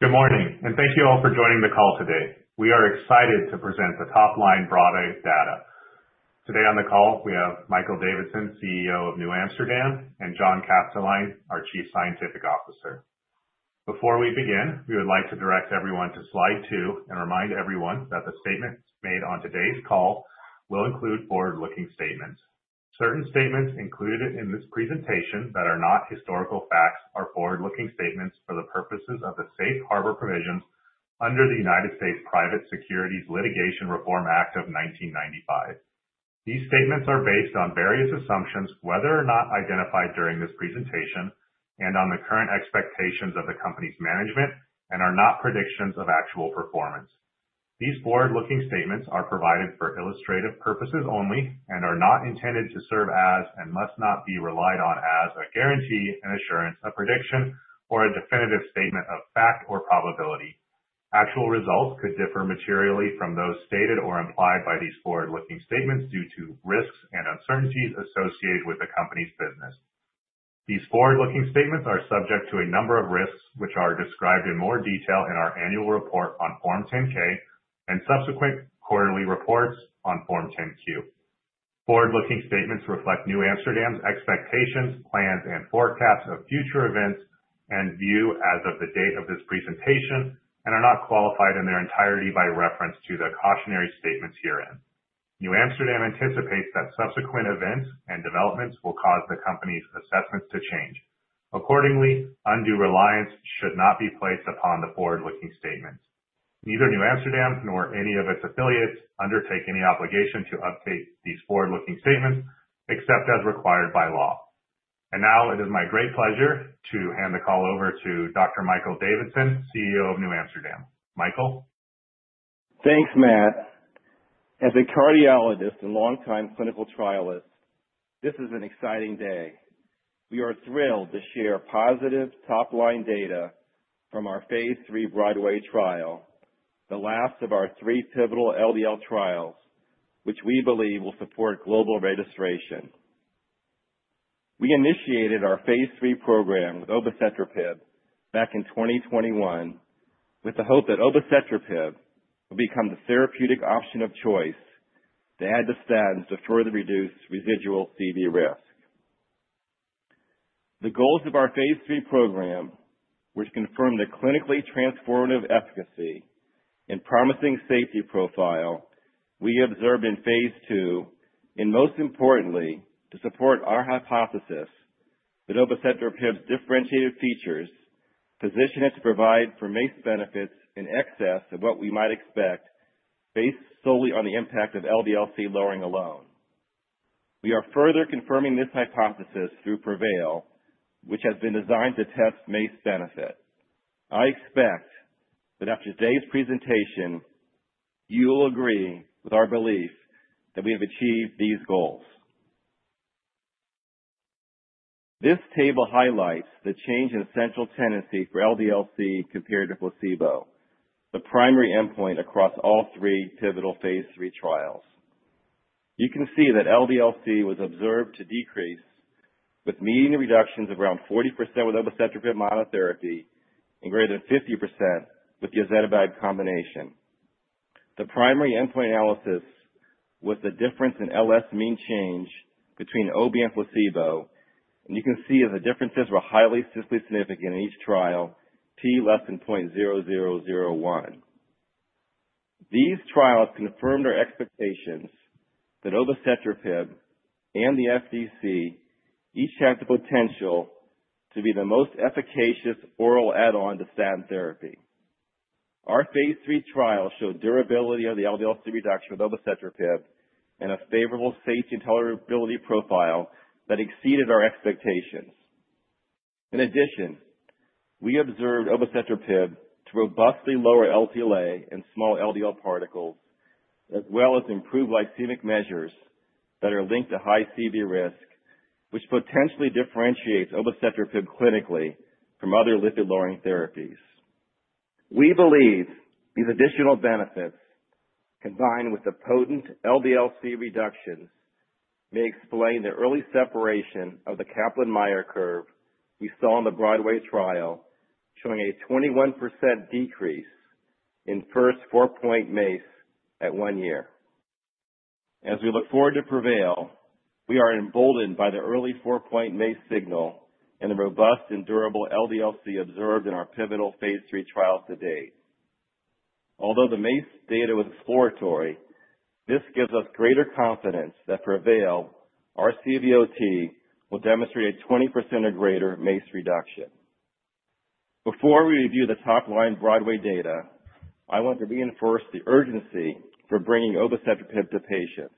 Good morning, and thank you all for joining the call today. We are excited to present the top-line BROADWAY data. Today on the call, we have Michael Davidson, CEO of NewAmsterdam, and John Kastelein, our Chief Scientific Officer. Before we begin, we would like to direct everyone to slide two and remind everyone that the statements made on today's call will include forward-looking statements. Certain statements included in this presentation that are not historical facts are forward-looking statements for the purposes of the Safe Harbor Provisions under the United States Private Securities Litigation Reform Act of 1995. These statements are based on various assumptions, whether or not identified during this presentation, and on the current expectations of the company's management, and are not predictions of actual performance. These forward-looking statements are provided for illustrative purposes only and are not intended to serve as and must not be relied on as a guarantee and assurance, a prediction, or a definitive statement of fact or probability. Actual results could differ materially from those stated or implied by these forward-looking statements due to risks and uncertainties associated with the company's business. These forward-looking statements are subject to a number of risks, which are described in more detail in our annual report on Form 10-K and subsequent quarterly reports on Form 10-Q. Forward-looking statements reflect NewAmsterdam's expectations, plans, and forecasts of future events and view as of the date of this presentation, and are not qualified in their entirety by reference to the cautionary statements herein. NewAmsterdam anticipates that subsequent events and developments will cause the company's assessments to change. Accordingly, undue reliance should not be placed upon the forward-looking statements. Neither NewAmsterdam nor any of its affiliates undertake any obligation to update these forward-looking statements except as required by law. And now it is my great pleasure to hand the call over to Dr. Michael Davidson, CEO of NewAmsterdam. Michael. Thanks, Matthew. As a cardiologist and longtime clinical trialist, this is an exciting day. We are thrilled to share positive top-line data from our phase 3 BROADWAY trial, the last of our three pivotal LDL trials, which we believe will support global registration. We initiated our phase 3 program with Obicetrapib back in 2021 with the hope that Obicetrapib will become the therapeutic option of choice to add to statins to further reduce residual CV risk. The goals of our phase 3 program, which confirmed the clinically transformative efficacy and promising safety profile we observed in phase 2, and most importantly, to support our hypothesis, that Obicetrapib's differentiated features position it to provide for MACE benefits in excess of what we might expect based solely on the impact of LDL-C lowering alone. We are further confirming this hypothesis through PREVAIL, which has been designed to test MACE benefit. I expect that after today's presentation, you will agree with our belief that we have achieved these goals. This table highlights the change in central tendency for LDL-C compared to placebo, the primary endpoint across all three pivotal phase 3 trials. You can see that LDL-C was observed to decrease with median reductions of around 40% with Obicetrapib monotherapy and greater than 50% with ezetimibe combination. The primary endpoint analysis was the difference in LS mean change between OB and placebo, and you can see that the differences were highly statistically significant in each trial, p less than 0.0001. These trials confirmed our expectations that Obicetrapib and the FDC each have the potential to be the most efficacious oral add-on to statin therapy. Our phase 3 trial showed durability of the LDL-C reduction with Obicetrapib and a favorable safety and tolerability profile that exceeded our expectations. In addition, we observed Obicetrapib to robustly lower LDL-A and small LDL particles, as well as improve glycemic measures that are linked to high CV risk, which potentially differentiates Obicetrapib clinically from other lipid-lowering therapies. We believe these additional benefits, combined with the potent LDL-C reductions, may explain the early separation of the Kaplan-Meier curve we saw in the BROADWAY trial, showing a 21% decrease in first four-point MACE at one year. As we look forward to PREVAIL, we are emboldened by the early four-point MACE signal and the robust and durable LDL-C observed in our pivotal phase 3 trials to date. Although the MACE data was exploratory, this gives us greater confidence that PREVAIL, our CVOT, will demonstrate a 20% or greater MACE reduction. Before we review the top-line BROADWAY data, I want to reinforce the urgency for bringing Obicetrapib to patients.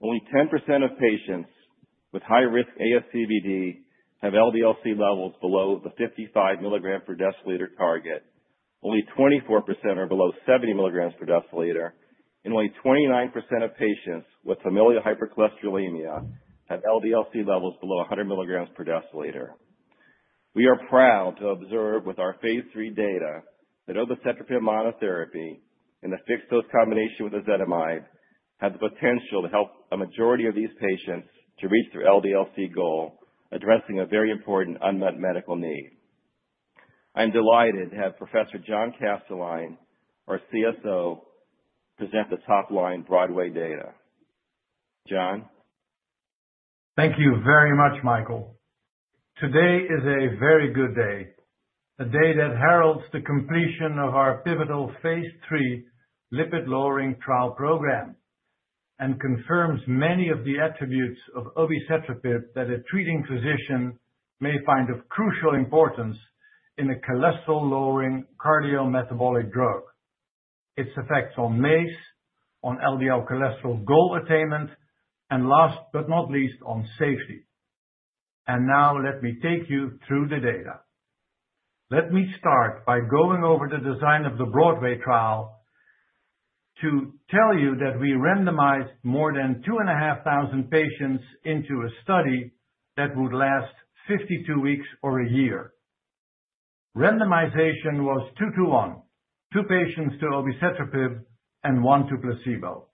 Only 10% of patients with high-risk ASCVD have LDL-C levels below the 55 milligrams per deciliter target, only 24% are below 70 milligrams per deciliter, and only 29% of patients with familial hypercholesterolemia have LDL-C levels below 100 milligrams per deciliter. We are proud to observe with our phase 3 data that Obicetrapib monotherapy and the fixed dose combination with ezetimibe have the potential to help a majority of these patients to reach their LDL-C goal, addressing a very important unmet medical need. I'm delighted to have Professor John Kastelein, our CSO, present the top-line BROADWAY data. John. Thank you very much, Michael. Today is a very good day, a day that heralds the completion of our pivotal phase 3 lipid-lowering trial program and confirms many of the attributes of Obicetrapib that a treating physician may find of crucial importance in a cholesterol-lowering cardiometabolic drug, its effects on MACE, on LDL cholesterol goal attainment, and last but not least, on safety. And now let me take you through the data. Let me start by going over the design of the BROADWAY trial to tell you that we randomized more than 2,500 patients into a study that would last 52 weeks or a year. Randomization was two-to-one, two patients to Obicetrapib and one to placebo.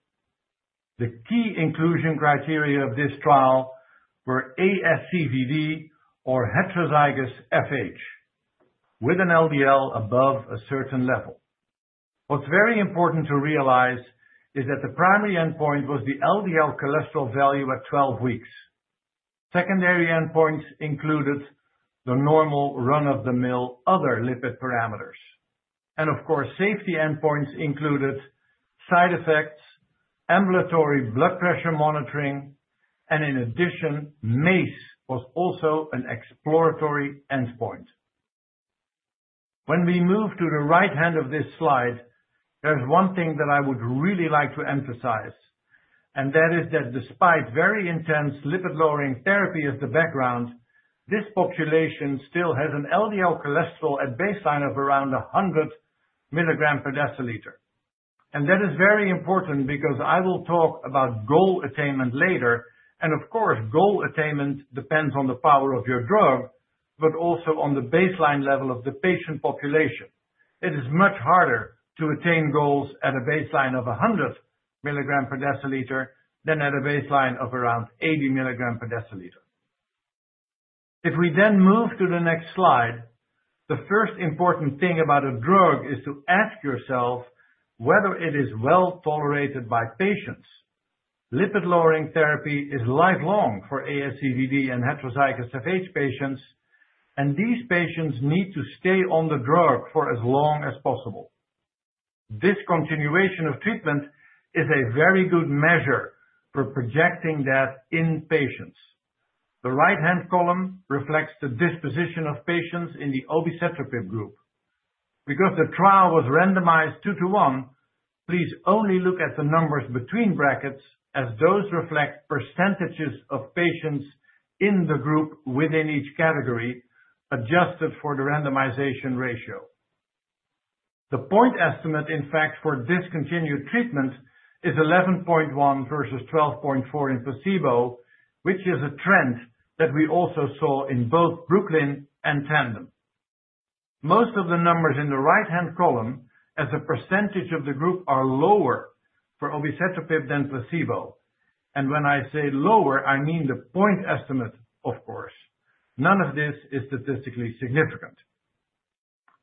The key inclusion criteria of this trial were ASCVD or heterozygous FH with an LDL above a certain level. What's very important to realize is that the primary endpoint was the LDL cholesterol value at 12 weeks. Secondary endpoints included the normal run-of-the-mill other lipid parameters. And of course, safety endpoints included side effects, ambulatory blood pressure monitoring, and in addition, MACE was also an exploratory endpoint. When we move to the right hand of this slide, there's one thing that I would really like to emphasize, and that is that despite very intense lipid-lowering therapy as the background, this population still has an LDL cholesterol at baseline of around 100 milligrams per deciliter. And that is very important because I will talk about goal attainment later. And of course, goal attainment depends on the power of your drug, but also on the baseline level of the patient population. It is much harder to attain goals at a baseline of 100 milligrams per deciliter than at a baseline of around 80 milligrams per deciliter. If we then move to the next slide, the first important thing about a drug is to ask yourself whether it is well tolerated by patients. Lipid-lowering therapy is lifelong for ASCVD and heterozygous FH patients, and these patients need to stay on the drug for as long as possible. Discontinuation of treatment is a very good measure for projecting that in patients. The right-hand column reflects the disposition of patients in the Obicetrapib group. Because the trial was randomized two-to-one, please only look at the numbers between brackets, as those reflect percentages of patients in the group within each category adjusted for the randomization ratio. The point estimate, in fact, for discontinued treatment is 11.1 versus 12.4 in placebo, which is a trend that we also saw in both BROOKLYN and TANDEM. Most of the numbers in the right-hand column, as a percentage of the group, are lower for Obicetrapib than placebo. When I say lower, I mean the point estimate, of course. None of this is statistically significant.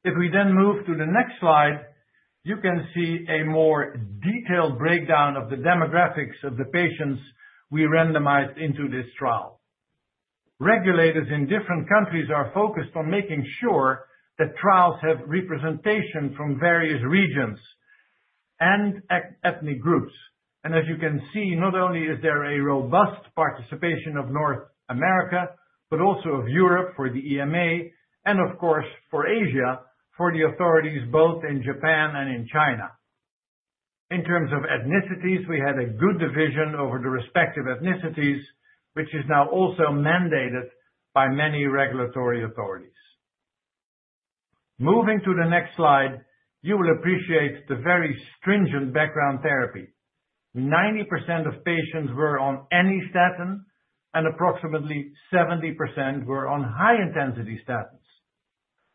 If we then move to the next slide, you can see a more detailed breakdown of the demographics of the patients we randomized into this trial. Regulators in different countries are focused on making sure that trials have representation from various regions and ethnic groups. As you can see, not only is there a robust participation of North America, but also of Europe for the EMA, and of course, for Asia for the authorities both in Japan and in China. In terms of ethnicities, we had a good division over the respective ethnicities, which is now also mandated by many regulatory authorities. Moving to the next slide, you will appreciate the very stringent background therapy. 90% of patients were on any statin, and approximately 70% were on high-intensity statins.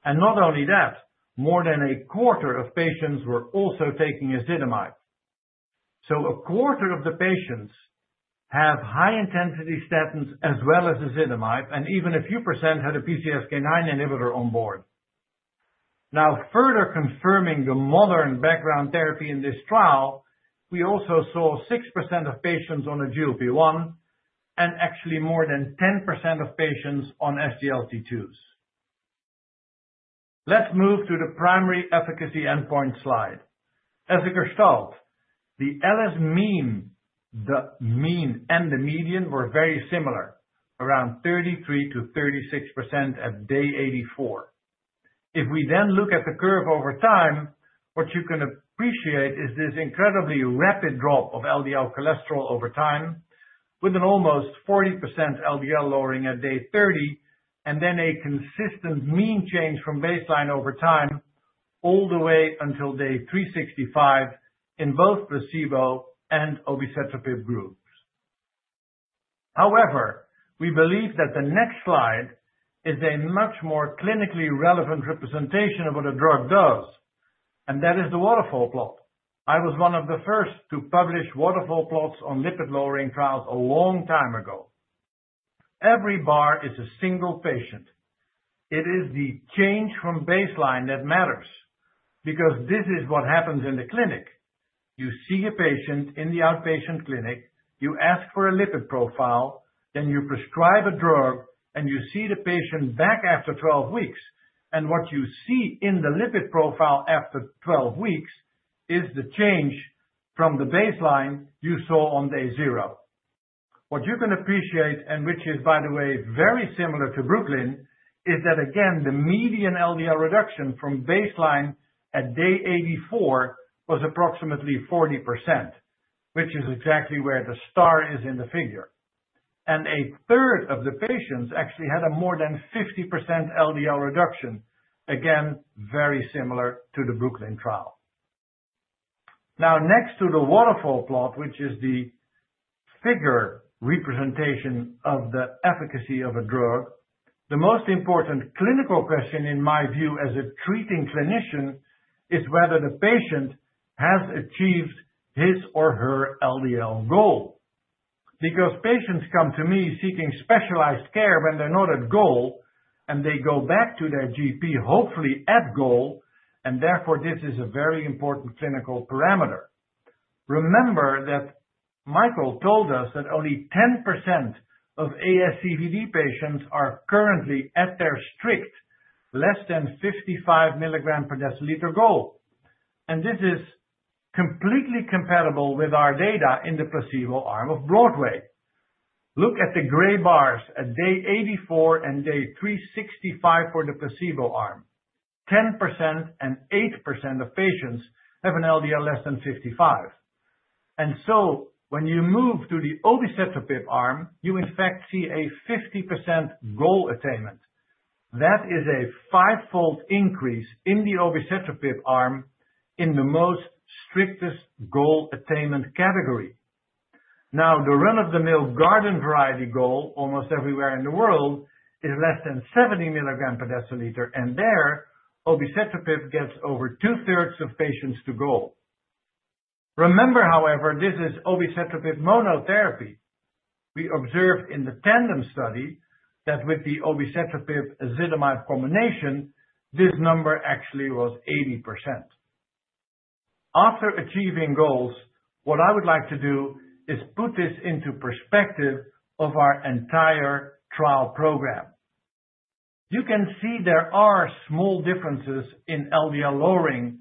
And not only that, more than a quarter of patients were also taking ezetimibe. So a quarter of the patients have high-intensity statins as well as ezetimibe, and even a few percent had a PCSK9 inhibitor on board. Now, further confirming the modern background therapy in this trial, we also saw 6% of patients on a GLP-1 and actually more than 10% of patients on SGLT-2s. Let's move to the primary efficacy endpoint slide. As a gestalt, the LS mean and the median were very similar, around 33%-36% at day 84. If we then look at the curve over time, what you can appreciate is this incredibly rapid drop of LDL cholesterol over time, with an almost 40% LDL lowering at day 30, and then a consistent mean change from baseline over time all the way until day 365 in both placebo and Obicetrapib groups. However, we believe that the next slide is a much more clinically relevant representation of what a drug does, and that is the waterfall plot. I was one of the first to publish waterfall plots on lipid-lowering trials a long time ago. Every bar is a single patient. It is the change from baseline that matters because this is what happens in the clinic. You see a patient in the outpatient clinic, you ask for a lipid profile, then you prescribe a drug, and you see the patient back after 12 weeks. And what you see in the lipid profile after 12 weeks is the change from the baseline you saw on day zero. What you can appreciate, and which is, by the way, very similar to BROOKLYN, is that, again, the median LDL reduction from baseline at day 84 was approximately 40%, which is exactly where the star is in the figure. And a third of the patients actually had a more than 50% LDL reduction, again, very similar to the BROOKLYN trial. Now, next to the waterfall plot, which is the figure representation of the efficacy of a drug, the most important clinical question, in my view, as a treating clinician, is whether the patient has achieved his or her LDL goal. Because patients come to me seeking specialized care when they're not at goal, and they go back to their GP, hopefully at goal, and therefore this is a very important clinical parameter. Remember that Michael told us that only 10% of ASCVD patients are currently at their strict less than 55 milligrams per deciliter goal, and this is completely compatible with our data in the placebo arm of BROADWAY. Look at the gray bars at day 84 and day 365 for the placebo arm. 10% and 8% of patients have an LDL less than 55, and so when you move to the Obicetrapib arm, you, in fact, see a 50% goal attainment. That is a five-fold increase in the Obicetrapib arm in the most strictest goal attainment category. Now, the run-of-the-mill garden variety goal, almost everywhere in the world, is less than 70 milligrams per deciliter, and there, Obicetrapib gets over two-thirds of patients to goal. Remember, however, this is Obicetrapib monotherapy. We observed in the TANDEM study that with the Obicetrapib ezetimibe combination, this number actually was 80%. After achieving goals, what I would like to do is put this into perspective of our entire trial program. You can see there are small differences in LDL lowering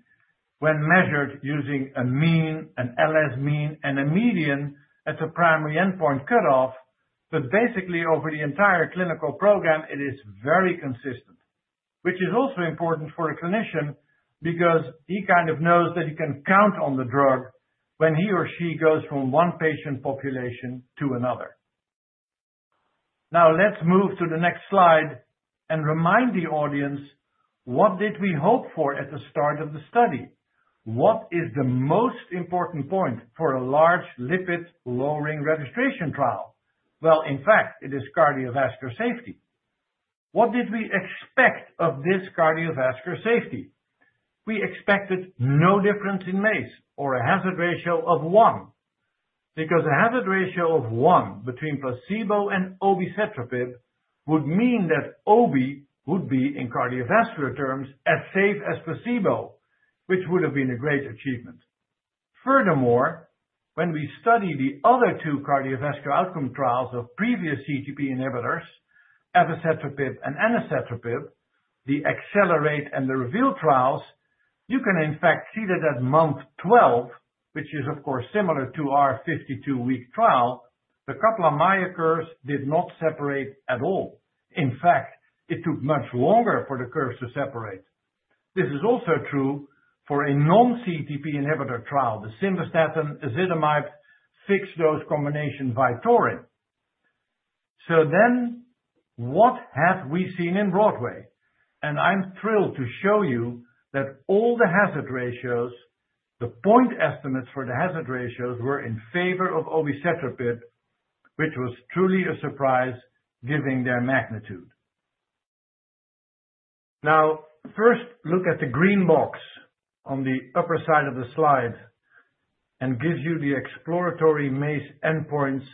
when measured using a mean, an LS mean, and a median at the primary endpoint cutoff, but basically, over the entire clinical program, it is very consistent, which is also important for a clinician because he kind of knows that he can count on the drug when he or she goes from one patient population to another. Now, let's move to the next slide and remind the audience, what did we hope for at the start of the study? What is the most important point for a large lipid-lowering registration trial? In fact, it is cardiovascular safety. What did we expect of this cardiovascular safety? We expected no difference in MACE or a hazard ratio of one. Because a hazard ratio of one between placebo and Obicetrapib would mean that OB would be, in cardiovascular terms, as safe as placebo, which would have been a great achievement. Furthermore, when we study the other two cardiovascular outcome trials of previous CETP inhibitors, evacetrapib and anacetrapib, the ACCELERATE and the REVEAL trials, you can, in fact, see that at month 12, which is, of course, similar to our 52-week trial, the Kaplan-Meier curves did not separate at all. In fact, it took much longer for the curves to separate. This is also true for a non-CETP inhibitor trial, the simvastatin-ezetimibe fixed-dose combination Vytorin. So then, what have we seen in BROADWAY? And I'm thrilled to show you that all the hazard ratios, the point estimates for the hazard ratios were in favor of obicetrapib, which was truly a surprise given their magnitude. Now, first, look at the green box on the upper side of the slide and gives you the exploratory MACE endpoints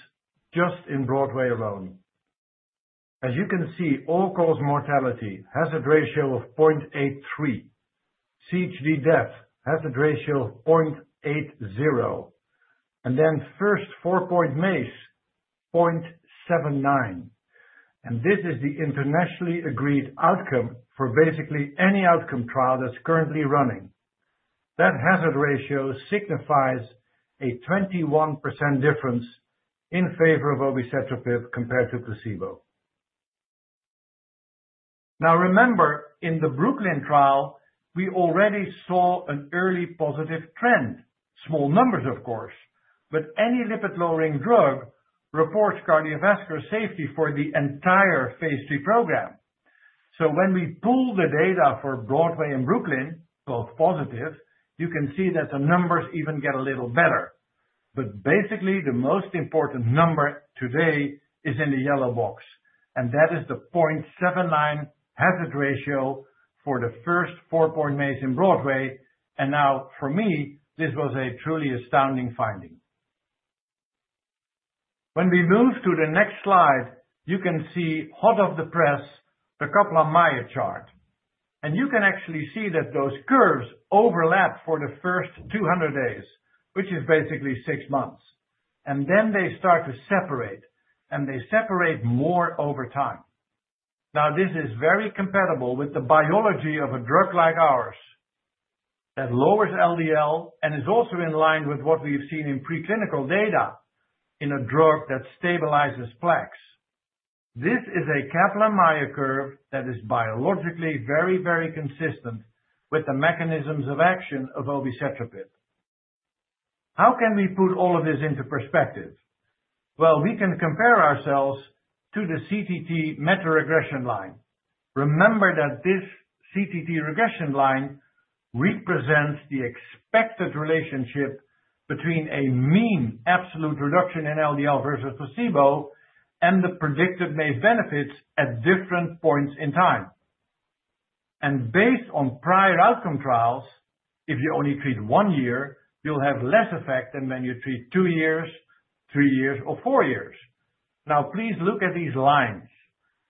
just in BROADWAY alone. As you can see, all-cause mortality, hazard ratio of 0.83, CHD death, hazard ratio of 0.80, and then first four-point MACE, 0.79. And this is the internationally agreed outcome for basically any outcome trial that's currently running. That hazard ratio signifies a 21% difference in favor of obicetrapib compared to placebo. Now, remember, in the BROOKLYN trial, we already saw an early positive trend, small numbers, of course, but any lipid-lowering drug reports cardiovascular safety for the entire phase 3 program. So when we pull the data for BROADWAY and BROOKLYN, both positive, you can see that the numbers even get a little better. But basically, the most important number today is in the yellow box, and that is the 0.79 hazard ratio for the first 4-point MACE in BROADWAY. And now, for me, this was a truly astounding finding. When we move to the next slide, you can see hot off the press, the Kaplan-Meier chart. And you can actually see that those curves overlap for the first 200 days, which is basically six months. And then they start to separate, and they separate more over time. Now, this is very compatible with the biology of a drug like ours that lowers LDL and is also in line with what we've seen in preclinical data in a drug that stabilizes plaques. This is a Kaplan-Meier curve that is biologically very, very consistent with the mechanisms of action of Obicetrapib. How can we put all of this into perspective? We can compare ourselves to the CTT meta-regression line. Remember that this CTT regression line represents the expected relationship between a mean absolute reduction in LDL versus placebo and the predicted MACE benefits at different points in time. Based on prior outcome trials, if you only treat one year, you'll have less effect than when you treat two years, three years, or four years. Now, please look at these lines.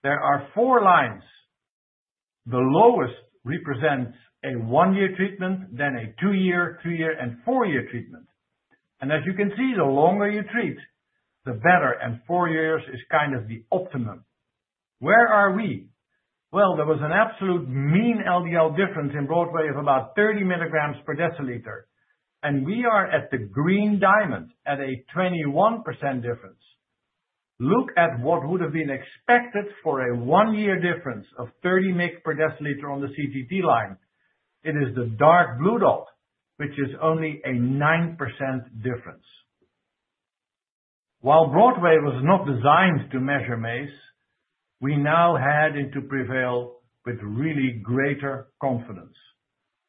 There are four lines. The lowest represents a one-year treatment, then a two-year, three-year, and four-year treatment. As you can see, the longer you treat, the better, and four years is kind of the optimum. Where are we? There was an absolute mean LDL difference in BROADWAY of about 30 milligrams per deciliter, and we are at the green diamond at a 21% difference. Look at what would have been expected for a one-year difference of 30 mg per deciliter on the CTT line. It is the dark blue dot, which is only a 9% difference. While BROADWAY was not designed to measure MACE, we now head to PREVAIL with really greater confidence.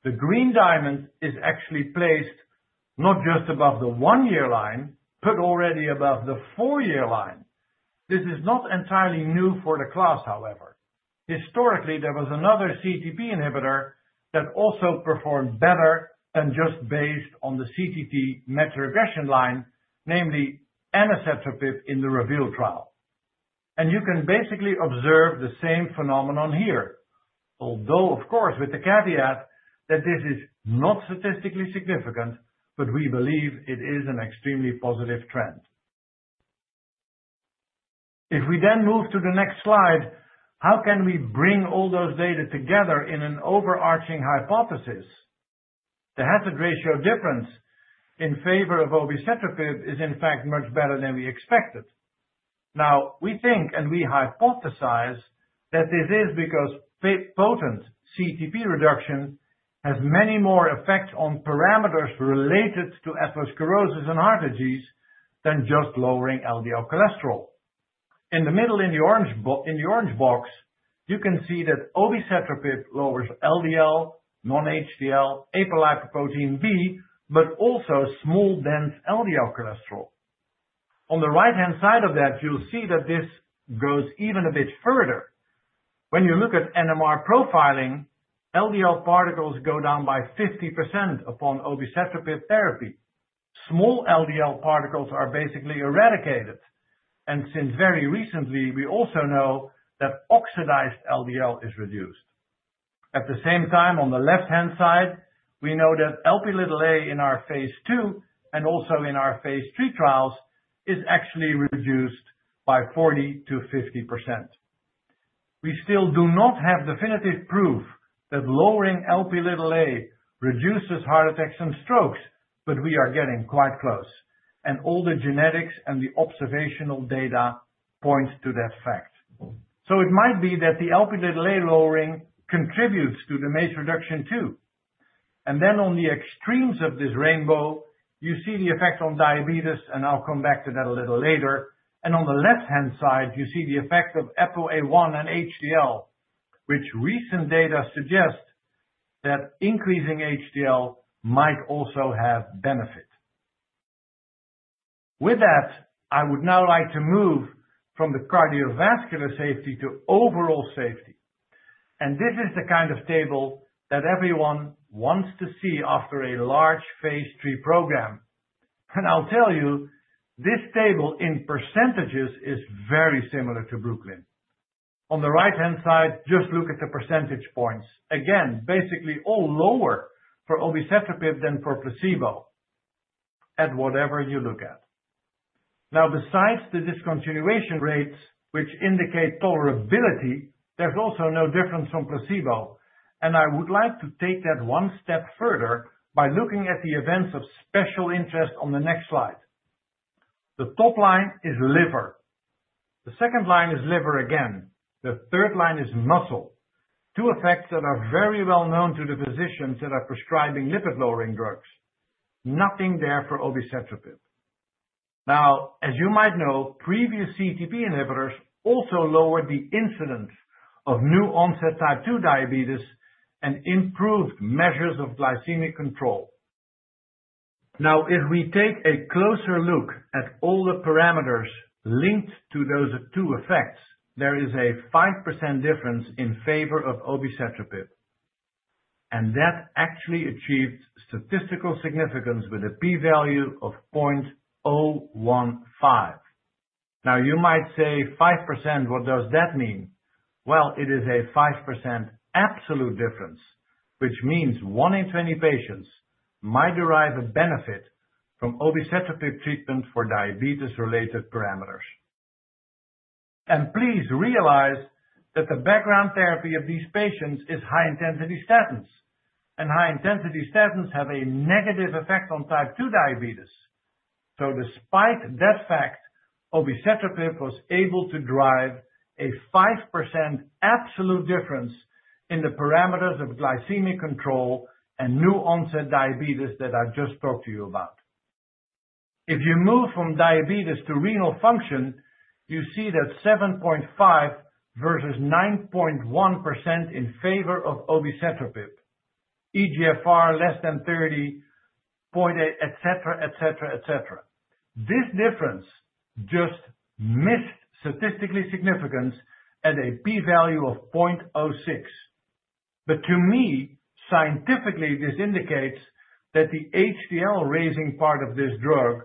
The green diamond is actually placed not just above the one-year line, but already above the four-year line. This is not entirely new for the class, however. Historically, there was another CETP inhibitor that also performed better than just based on the CTT meta-regression line, namely anacetrapib in the REVEAL trial. And you can basically observe the same phenomenon here, although, of course, with the caveat that this is not statistically significant, but we believe it is an extremely positive trend. If we then move to the next slide, how can we bring all those data together in an overarching hypothesis? The hazard ratio difference in favor of obicetrapib is, in fact, much better than we expected. Now, we think and we hypothesize that this is because potent CETP reduction has many more effects on parameters related to atherosclerosis and heart disease than just lowering LDL cholesterol. In the middle, in the orange box, you can see that obicetrapib lowers LDL, non-HDL, apolipoprotein B, but also small dense LDL cholesterol. On the right-hand side of that, you'll see that this goes even a bit further. When you look at NMR profiling, LDL particles go down by 50% upon obicetrapib therapy. Small LDL particles are basically eradicated. And since very recently, we also know that oxidized LDL is reduced. At the same time, on the left-hand side, we know that Lp(a) in our phase 2 and also in our phase 3 trials is actually reduced by 40%-50%. We still do not have definitive proof that lowering Lp(a) reduces heart attacks and strokes, but we are getting quite close. And all the genetics and the observational data point to that fact. So it might be that the Lp(a) lowering contributes to the MACE reduction too. And then on the extremes of this rainbow, you see the effect on diabetes, and I'll come back to that a little later. And on the left-hand side, you see the effect of ApoA1 and HDL, which recent data suggest that increasing HDL might also have benefit. With that, I would now like to move from the cardiovascular safety to overall safety. And this is the kind of table that everyone wants to see after a large phase 3 program. And I'll tell you, this table in percentages is very similar to BROOKLYN. On the right-hand side, just look at the percentage points. Again, basically all lower for Obicetrapib than for placebo at whatever you look at. Now, besides the discontinuation rates, which indicate tolerability, there's also no difference from placebo. And I would like to take that one step further by looking at the events of special interest on the next slide. The top line is liver. The second line is liver again. The third line is muscle. Two effects that are very well known to the physicians that are prescribing lipid-lowering drugs. Nothing there for Obicetrapib. Now, as you might know, previous CGP inhibitors also lowered the incidence of new-onset type 2 diabetes and improved measures of glycemic control. Now, if we take a closer look at all the parameters linked to those two effects, there is a 5% difference in favor of Obicetrapib, and that actually achieved statistical significance with a p-value of 0.015. Now, you might say, "5%, what does that mean? Well, it is a 5% absolute difference, which means one in 20 patients might derive a benefit from Obicetrapib treatment for diabetes-related parameters, and please realize that the background therapy of these patients is high-intensity statins, and high-intensity statins have a negative effect on type 2 diabetes, so despite that fact, Obicetrapib was able to drive a 5% absolute difference in the parameters of glycemic control and new-onset diabetes that I just talked to you about. If you move from diabetes to renal function, you see that 7.5% versus 9.1% in favor of Obicetrapib. eGFR less than 30, etc., etc., etc. This difference just missed statistical significance at a p-value of 0.06. But to me, scientifically, this indicates that the HDL-raising part of this drug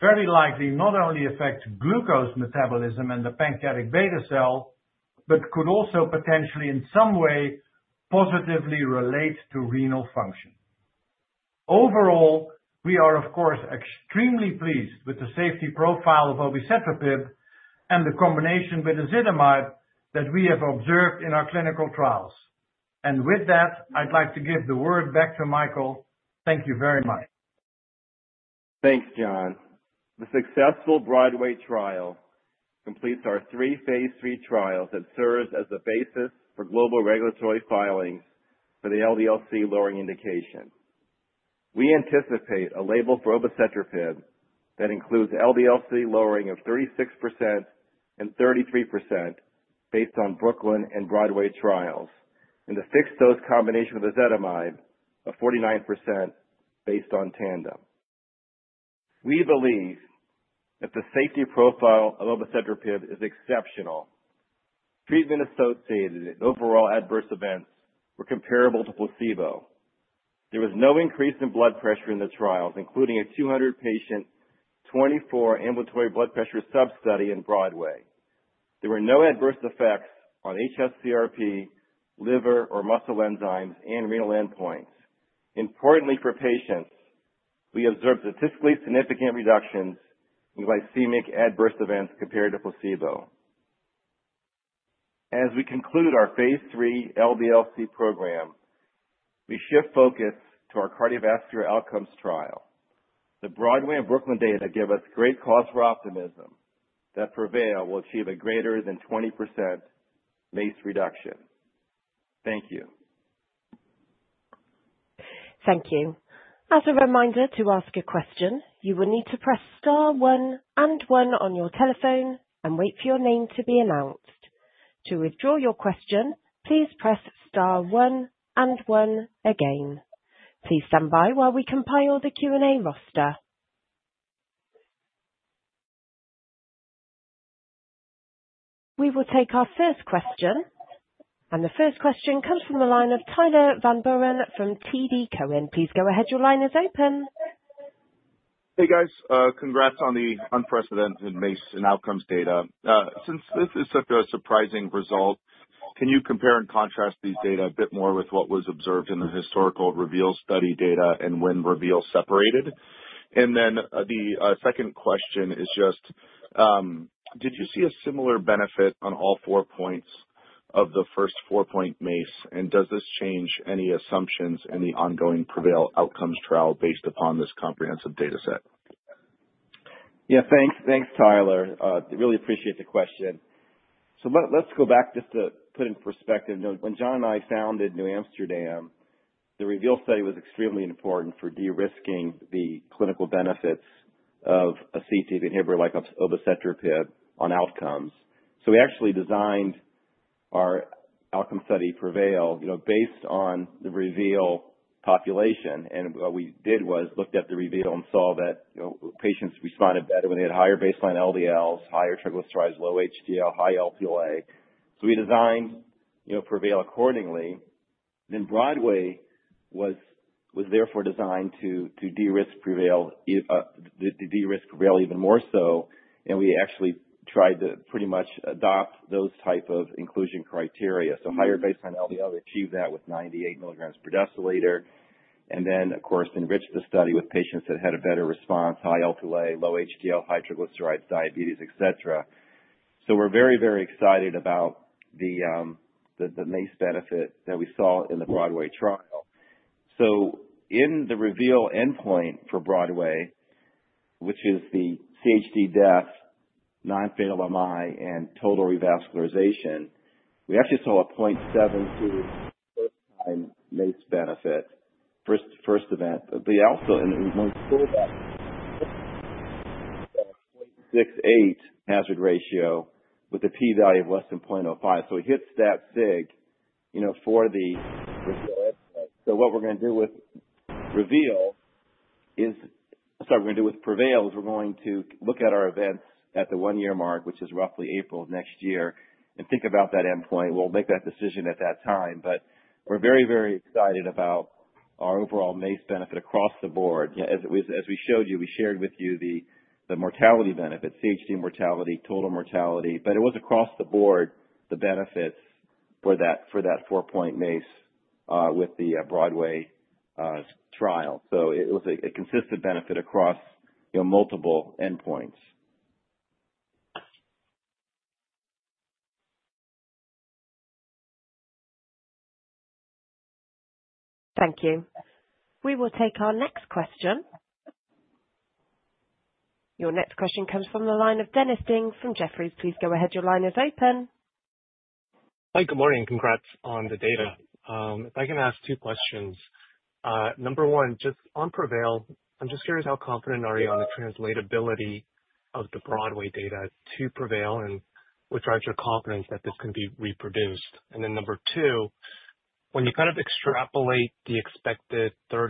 very likely not only affects glucose metabolism and the pancreatic beta cell, but could also potentially, in some way, positively relate to renal function. Overall, we are, of course, extremely pleased with the safety profile of Obicetrapib and the combination with ezetimibe that we have observed in our clinical trials. And with that, I'd like to give the word back to Michael. Thank you very much. Thanks, John. The successful BROADWAY trial completes our three phase 3 trials that serves as the basis for global regulatory filings for the LDL-C lowering indication. We anticipate a label for Obicetrapib that includes LDL-C lowering of 36% and 33% based on Brooklyn and BROADWAY trials and the fixed-dose combinations with ezetimibe of 49% based on TANDEM. We believe that the safety profile of Obicetrapib is exceptional. Treatment-associated adverse events overall were comparable to placebo. There was no increase in blood pressure in the trials, including a 200-patient, 24-hour ambulatory blood pressure sub-study in BROADWAY. There were no adverse effects on hs-CRP, liver or muscle enzymes, and renal endpoints. Importantly for patients, we observed statistically significant reductions in glycemic adverse events compared to placebo. As we conclude our phase 3 LDL-C program, we shift focus to our cardiovascular outcomes trial. The BROADWAY and Brooklyn data give us great cause for optimism that PREVAIL will achieve a greater than 20% MACE reduction. Thank you. Thank you. As a reminder to ask a question, you will need to press star one and one on your telephone and wait for your name to be announced. To withdraw your question, please press star one and one again. Please stand by while we compile the Q&A roster. We will take our first question. And the first question comes from the line of Tyler Van Buren from TD Cowen. Please go ahead. Your line is open. Hey, guys. Congrats on the unprecedented MACE and outcomes data. Since this is such a surprising result, can you compare and contrast these data a bit more with what was observed in the historical REVEAL study data and when REVEAL separated? And then the second question is just, did you see a similar benefit on all four points of the 4-point MACE? Does this change any assumptions in the ongoing PREVAIL outcomes trial based upon this comprehensive data set? Yeah, thanks. Thanks, Tyler. Really appreciate the question. So let's go back just to put in perspective. When John and I founded NewAmsterdam, the REVEAL study was extremely important for de-risking the clinical benefits of a CETP inhibitor like Obicetrapib on outcomes. So we actually designed our outcome study PREVAIL based on the REVEAL population. And what we did was looked at the REVEAL and saw that patients responded better when they had higher baseline LDLs, higher triglycerides, low HDL, high Lp(a). So we designed PREVAIL accordingly. Then BROADWAY was therefore designed to de-risk PREVAIL even more so. And we actually tried to pretty much adopt those types of inclusion criteria. So higher baseline LDL achieved that with 98 milligrams per deciliter. And then, of course, enriched the study with patients that had a better response, high Lp(a), low HDL, high triglycerides, diabetes, etc. So we're very, very excited about the MACE benefit that we saw in the BROADWAY trial. So in the REVEAL endpoint for BROADWAY, which is the CHD death, non-fatal MI, and total revascularization, we actually saw a 0.72 first-time MACE benefit, first event. But we also pulled that 0.68 hazard ratio with a p-value of less than 0.05. So it hits that sig for the REVEAL endpoint. So what we're going to do with REVEAL is, sorry, we're going to do with PREVAIL is we're going to look at our events at the one-year mark, which is roughly April of next year, and think about that endpoint. We'll make that decision at that time. But we're very, very excited about our overall MACE benefit across the board. As we showed you, we shared with you the mortality benefit, CHD mortality, total mortality. But it was across the board the benefits for that four-point MACE with the BROADWAY trial. So it was a consistent benefit across multiple endpoints. Thank you. We will take our next question. Your next question comes from the line of Dennis Ding from Jefferies. Please go ahead. Your line is open. Hi, good morning. Congrats on the data. If I can ask two questions. Number one, just on PREVAIL, I'm just curious how confident are you on the translatability of the BROADWAY data to PREVAIL and with regards to your confidence that this can be reproduced? And then number two, when you kind of extrapolate the expected 30%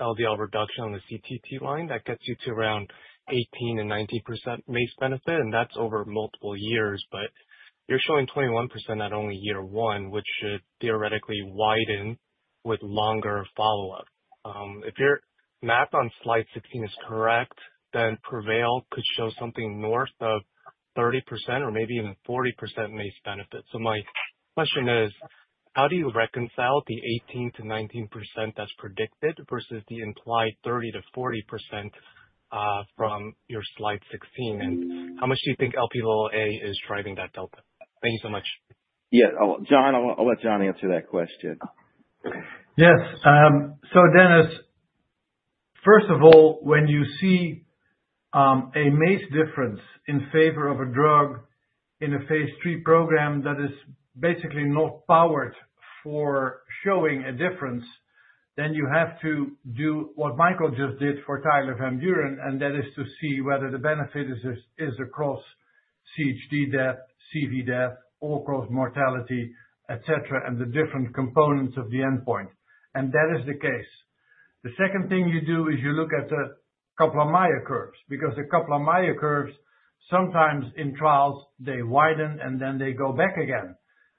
LDL reduction on the CTT line, that gets you to around 18%-19% MACE benefit. And that's over multiple years. But you're showing 21% at only year one, which should theoretically widen with longer follow-up. If your math on slide 16 is correct, then PREVAIL could show something north of 30% or maybe even 40% MACE benefit. So my question is, how do you reconcile the 18%-19% that's predicted versus the implied 30%-40% from your slide 16? And how much do you think Lp(a) is driving that delta? Thank you so much. Yeah. John, I'll let John answer that question. Yes. Dennis, first of all, when you see a MACE difference in favor of a drug in a phase 3 program that is basically not powered for showing a difference, then you have to do what Michael just did for Tyler Van Buren, and that is to see whether the benefit is across CHD death, CV death, all-cause mortality, etc., and the different components of the endpoint. And that is the case. The second thing you do is you look at the Kaplan-Meier curves. Because the Kaplan-Meier curves, sometimes in trials, they widen and then they go back again.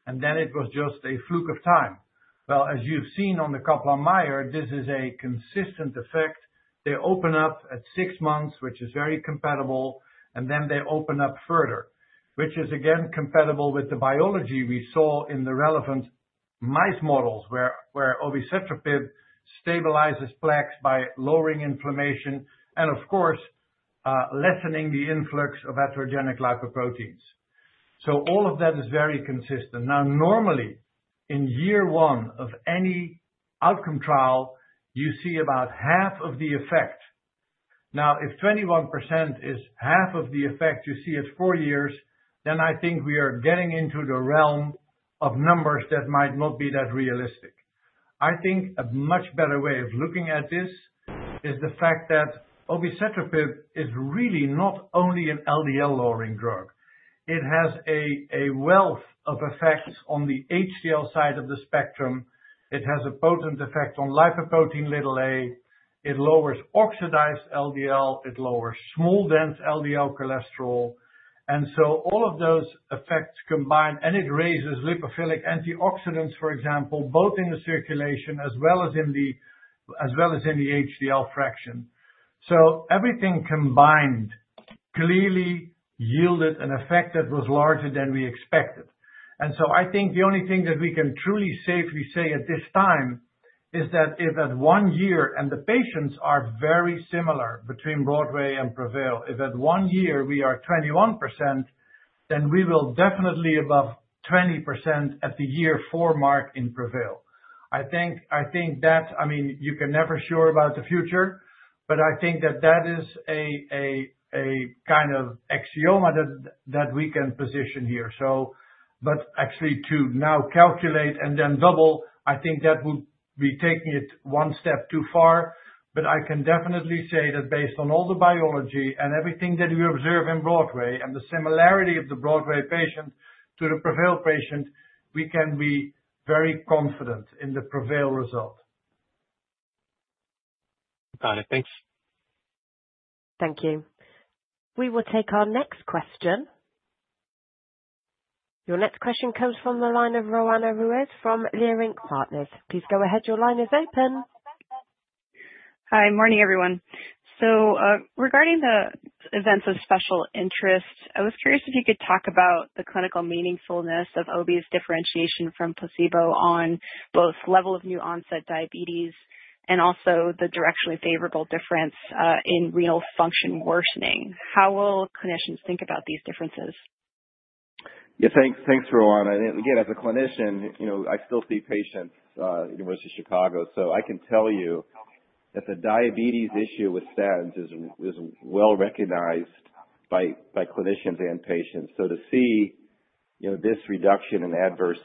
And then it was just a fluke of time. Well, as you've seen on the Kaplan-Meier, this is a consistent effect. They open up at six months, which is very compatible, and then they open up further, which is, again, compatible with the biology we saw in the relevant mice models where Obicetrapib stabilizes plaques by lowering inflammation and, of course, lessening the influx of atherogenic lipoproteins. So all of that is very consistent. Now, normally, in year one of any outcome trial, you see about half of the effect. Now, if 21% is half of the effect you see at four years, then I think we are getting into the realm of numbers that might not be that realistic. I think a much better way of looking at this is the fact that Obicetrapib is really not only an LDL-lowering drug. It has a wealth of effects on the HDL side of the spectrum. It has a potent effect on lipoprotein(a). It lowers oxidized LDL. It lowers small dense LDL cholesterol, and so all of those effects combine, and it raises lipophilic antioxidants, for example, both in the circulation as well as in the HDL fraction, so everything combined clearly yielded an effect that was larger than we expected, and so I think the only thing that we can truly safely say at this time is that if at one year and the patients are very similar between BROADWAY and PREVAIL, if at one year we are 21%, then we will definitely above 20% at the year four mark in PREVAIL. I think that, I mean, you can never be sure about the future, but I think that that is a kind of axiom that we can position here, but actually, to now calculate and then double, I think that would be taking it one step too far. But I can definitely say that based on all the biology and everything that we observe in BROADWAY and the similarity of the BROADWAY patient to the PREVAIL patient, we can be very confident in the PREVAIL result. Got it. Thanks. Thank you. We will take our next question. Your next question comes from the line of Roanna Ruiz from Leerink Partners. Please go ahead. Your line is open. Hi. Morning, everyone. So regarding the events of special interest, I was curious if you could talk about the clinical meaningfulness of OB's differentiation from placebo on both level of new-onset diabetes and also the directionally favorable difference in renal function worsening. How will clinicians think about these differences? Yeah. Thanks, Roanna. And again, as a clinician, I still see patients at the University of Chicago. So I can tell you that the diabetes issue with statins is well recognized by clinicians and patients. To see this reduction in adverse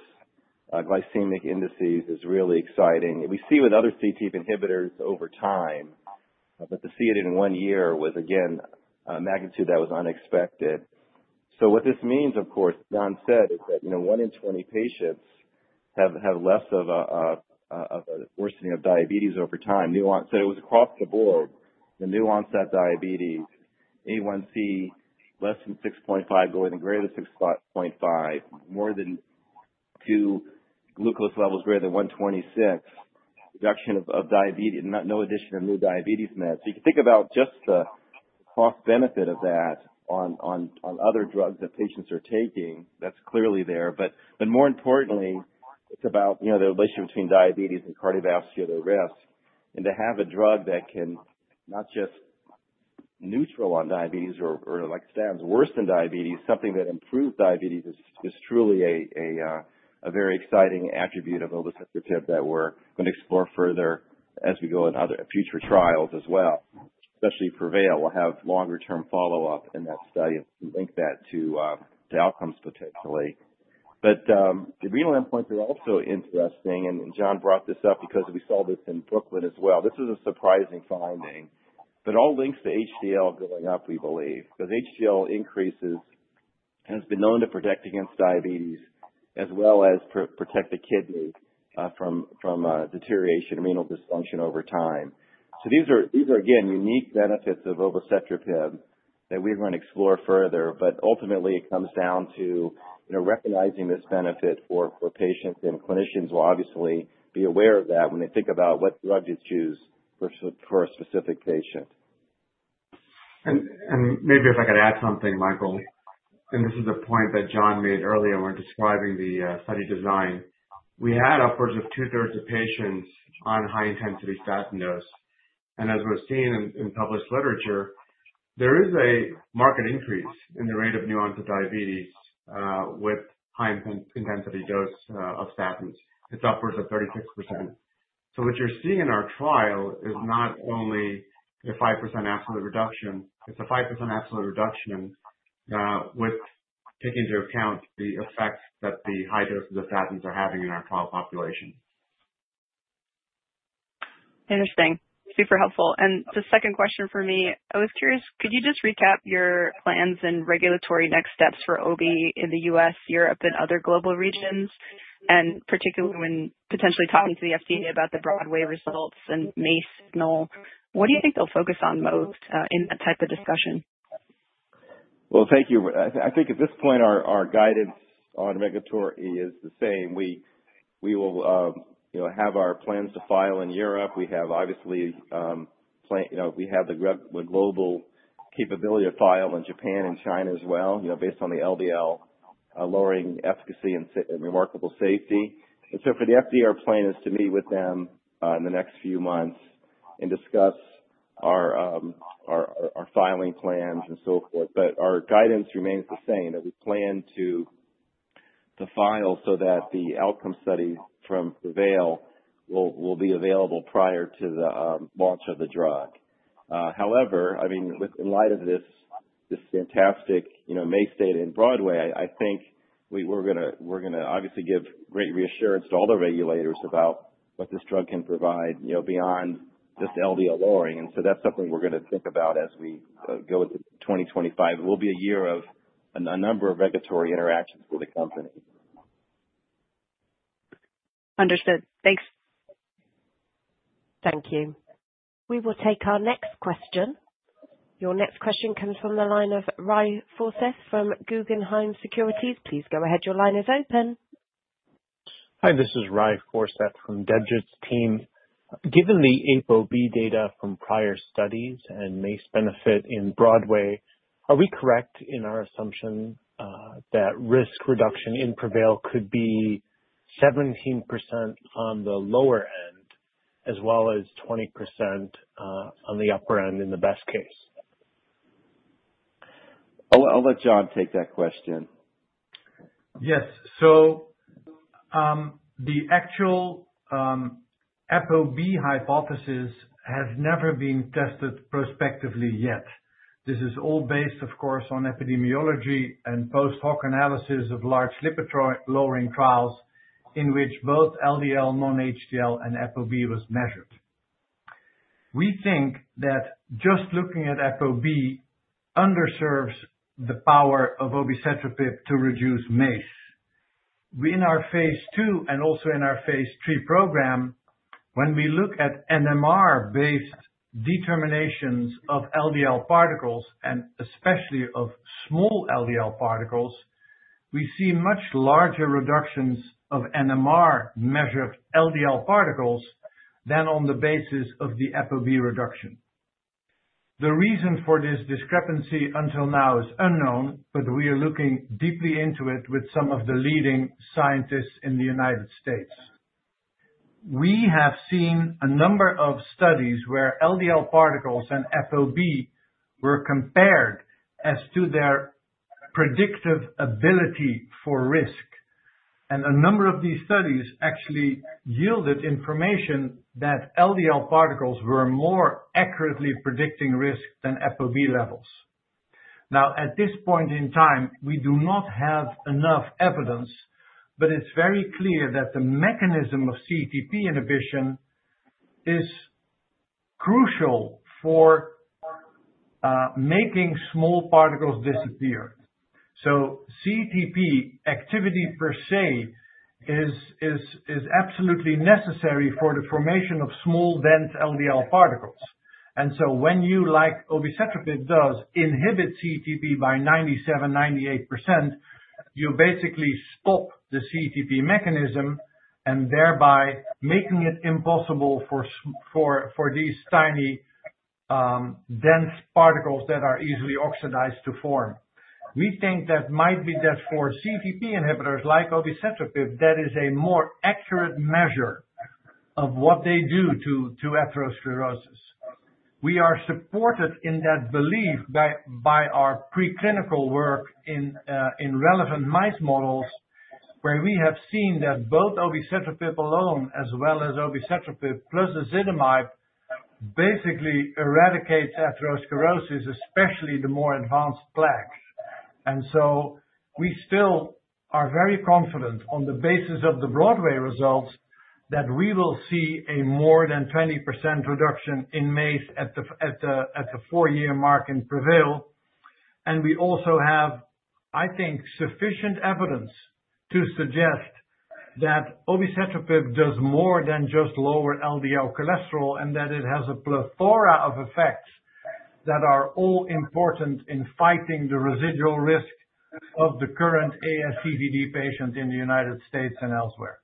glycemic indices is really exciting. We see with other CETP inhibitors over time, but to see it in one year was, again, a magnitude that was unexpected. What this means, of course, John said, is that one in 20 patients have less of a worsening of diabetes over time. It was across the board, the new-onset diabetes, A1C less than 6.5 going to greater than 6.5, more than two glucose levels greater than 126, reduction of diabetes, no addition of new diabetes meds. You can think about just the cost-benefit of that on other drugs that patients are taking. That's clearly there. But more importantly, it's about the relationship between diabetes and cardiovascular risk. To have a drug that can not just be neutral on diabetes or like statins worsen diabetes, something that improves diabetes is truly a very exciting attribute of Obicetrapib that we're going to explore further as we go in other future trials as well, especially PREVAIL. We'll have longer-term follow-up in that study and link that to outcomes potentially. The renal endpoints are also interesting. John brought this up because we saw this in BROOKLYN as well. This was a surprising finding. It all links to HDL going up, we believe. Because HDL increases has been known to protect against diabetes as well as protect the kidney from deterioration, renal dysfunction over time. These are, again, unique benefits of Obicetrapib that we're going to explore further. Ultimately, it comes down to recognizing this benefit for patients. Clinicians will obviously be aware of that when they think about what drug to choose for a specific patient. Maybe if I could add something, Michael. This is a point that John made earlier when describing the study design. We had upwards of two-thirds of patients on high-intensity statin dose. As we're seeing in published literature, there is a marked increase in the rate of new-onset diabetes with high-intensity dose of statins. It's upwards of 36%. What you're seeing in our trial is not only a 5% absolute reduction. It's a 5% absolute reduction with taking into account the effect that the high doses of statins are having in our trial population. Interesting. Super helpful. The second question for me, I was curious, could you just recap your plans and regulatory next steps for OB in the U.S., Europe, and other global regions? Particularly when potentially talking to the FDA about the BROADWAY results and MACE signal, what do you think they'll focus on most in that type of discussion? Thank you. I think at this point, our guidance on regulatory is the same. We will have our plans to file in Europe. We have, obviously, we have the global capability to file in Japan and China as well based on the LDL lowering efficacy and remarkable safety. For the FDA, our plan is to meet with them in the next few months and discuss our filing plans and so forth. Our guidance remains the same that we plan to file so that the outcome study from PREVAIL will be available prior to the launch of the drug. However, I mean, in light of this fantastic MACE data in BROADWAY, I think we're going to obviously give great reassurance to all the regulators about what this drug can provide beyond just LDL lowering. And so that's something we're going to think about as we go into 2025. It will be a year of a number of regulatory interactions with the company. Understood. Thanks. Thank you. We will take our next question. Your next question comes from the line of Rye Forseth from Guggenheim Securities. Please go ahead. Your line is open. Hi. This is Rye Forseth from Guggenheim team. Given the ApoB data from prior studies and MACE benefit in BROADWAY, are we correct in our assumption that risk reduction in PREVAIL could be 17% on the lower end as well as 20% on the upper end in the best case? I'll let John take that question. Yes. So the actual ApoB hypothesis has never been tested prospectively yet. This is all based, of course, on epidemiology and post-hoc analysis of large lipid-lowering trials in which both LDL, non-HDL, and ApoB was measured. We think that just looking at ApoB underserves the power of Obicetrapib to reduce MACE. In our phase 2 and also in our phase 3 program, when we look at NMR-based determinations of LDL particles and especially of small LDL particles, we see much larger reductions of NMR-measured LDL particles than on the basis of the ApoB reduction. The reason for this discrepancy until now is unknown, but we are looking deeply into it with some of the leading scientists in the United States. We have seen a number of studies where LDL particles and ApoB were compared as to their predictive ability for risk. A number of these studies actually yielded information that LDL particles were more accurately predicting risk than ApoB levels. Now, at this point in time, we do not have enough evidence, but it's very clear that the mechanism of CETP inhibition is crucial for making small particles disappear. CETP activity per se is absolutely necessary for the formation of small dense LDL particles. When you, like obicetrapib, does inhibit CETP by 97%-98%, you basically stop the CETP mechanism and thereby making it impossible for these tiny dense particles that are easily oxidized to form. We think that might be for CETP inhibitors like obicetrapib, that is a more accurate measure of what they do to atherosclerosis. We are supported in that belief by our preclinical work in relevant mice models where we have seen that both Obicetrapib alone as well as Obicetrapib plus ezetimibe basically eradicates atherosclerosis, especially the more advanced plaques. We still are very confident on the basis of the BROADWAY results that we will see a more than 20% reduction in MACE at the four-year mark in PREVAIL. We also have, I think, sufficient evidence to suggest that Obicetrapib does more than just lower LDL cholesterol and that it has a plethora of effects that are all important in fighting the residual risk of the current ASCVD patients in the United States and elsewhere.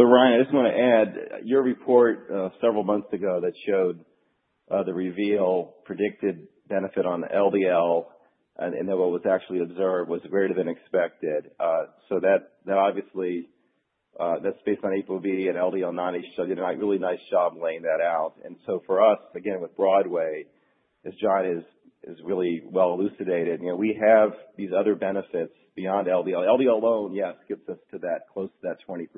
Roanna, I just want to add your report several months ago that showed the REVEAL predicted benefit on LDL and that what was actually observed was greater than expected. So that, obviously, that's based on ApoB and LDL non-HDL. You did a really nice job laying that out. And so for us, again, with BROADWAY, as John has really well elucidated, we have these other benefits beyond LDL. LDL alone, yes, gets us close to that 20%.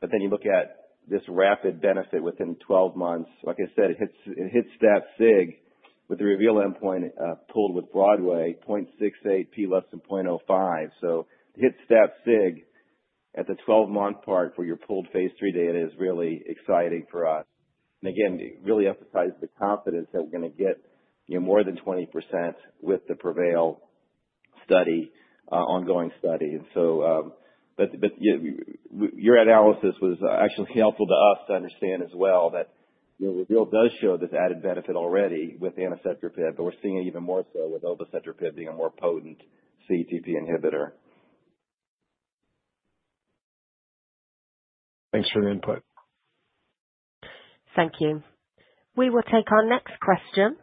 But then you look at this rapid benefit within 12 months. Like I said, it hits that SIG with the REVEAL endpoint pooled with BROADWAY, 0.68, P less than 0.05. So it hits that SIG at the 12-month part for your pooled phase 3 data is really exciting for us. And again, really emphasize the confidence that we're going to get more than 20% with the PREVAIL ongoing study. But your analysis was actually helpful to us to understand as well that REVEAL does show this added benefit already with the anacetrapib, but we're seeing it even more so with Obicetrapib being a more potent CETP inhibitor. Thanks for the input. Thank you. We will take our next question.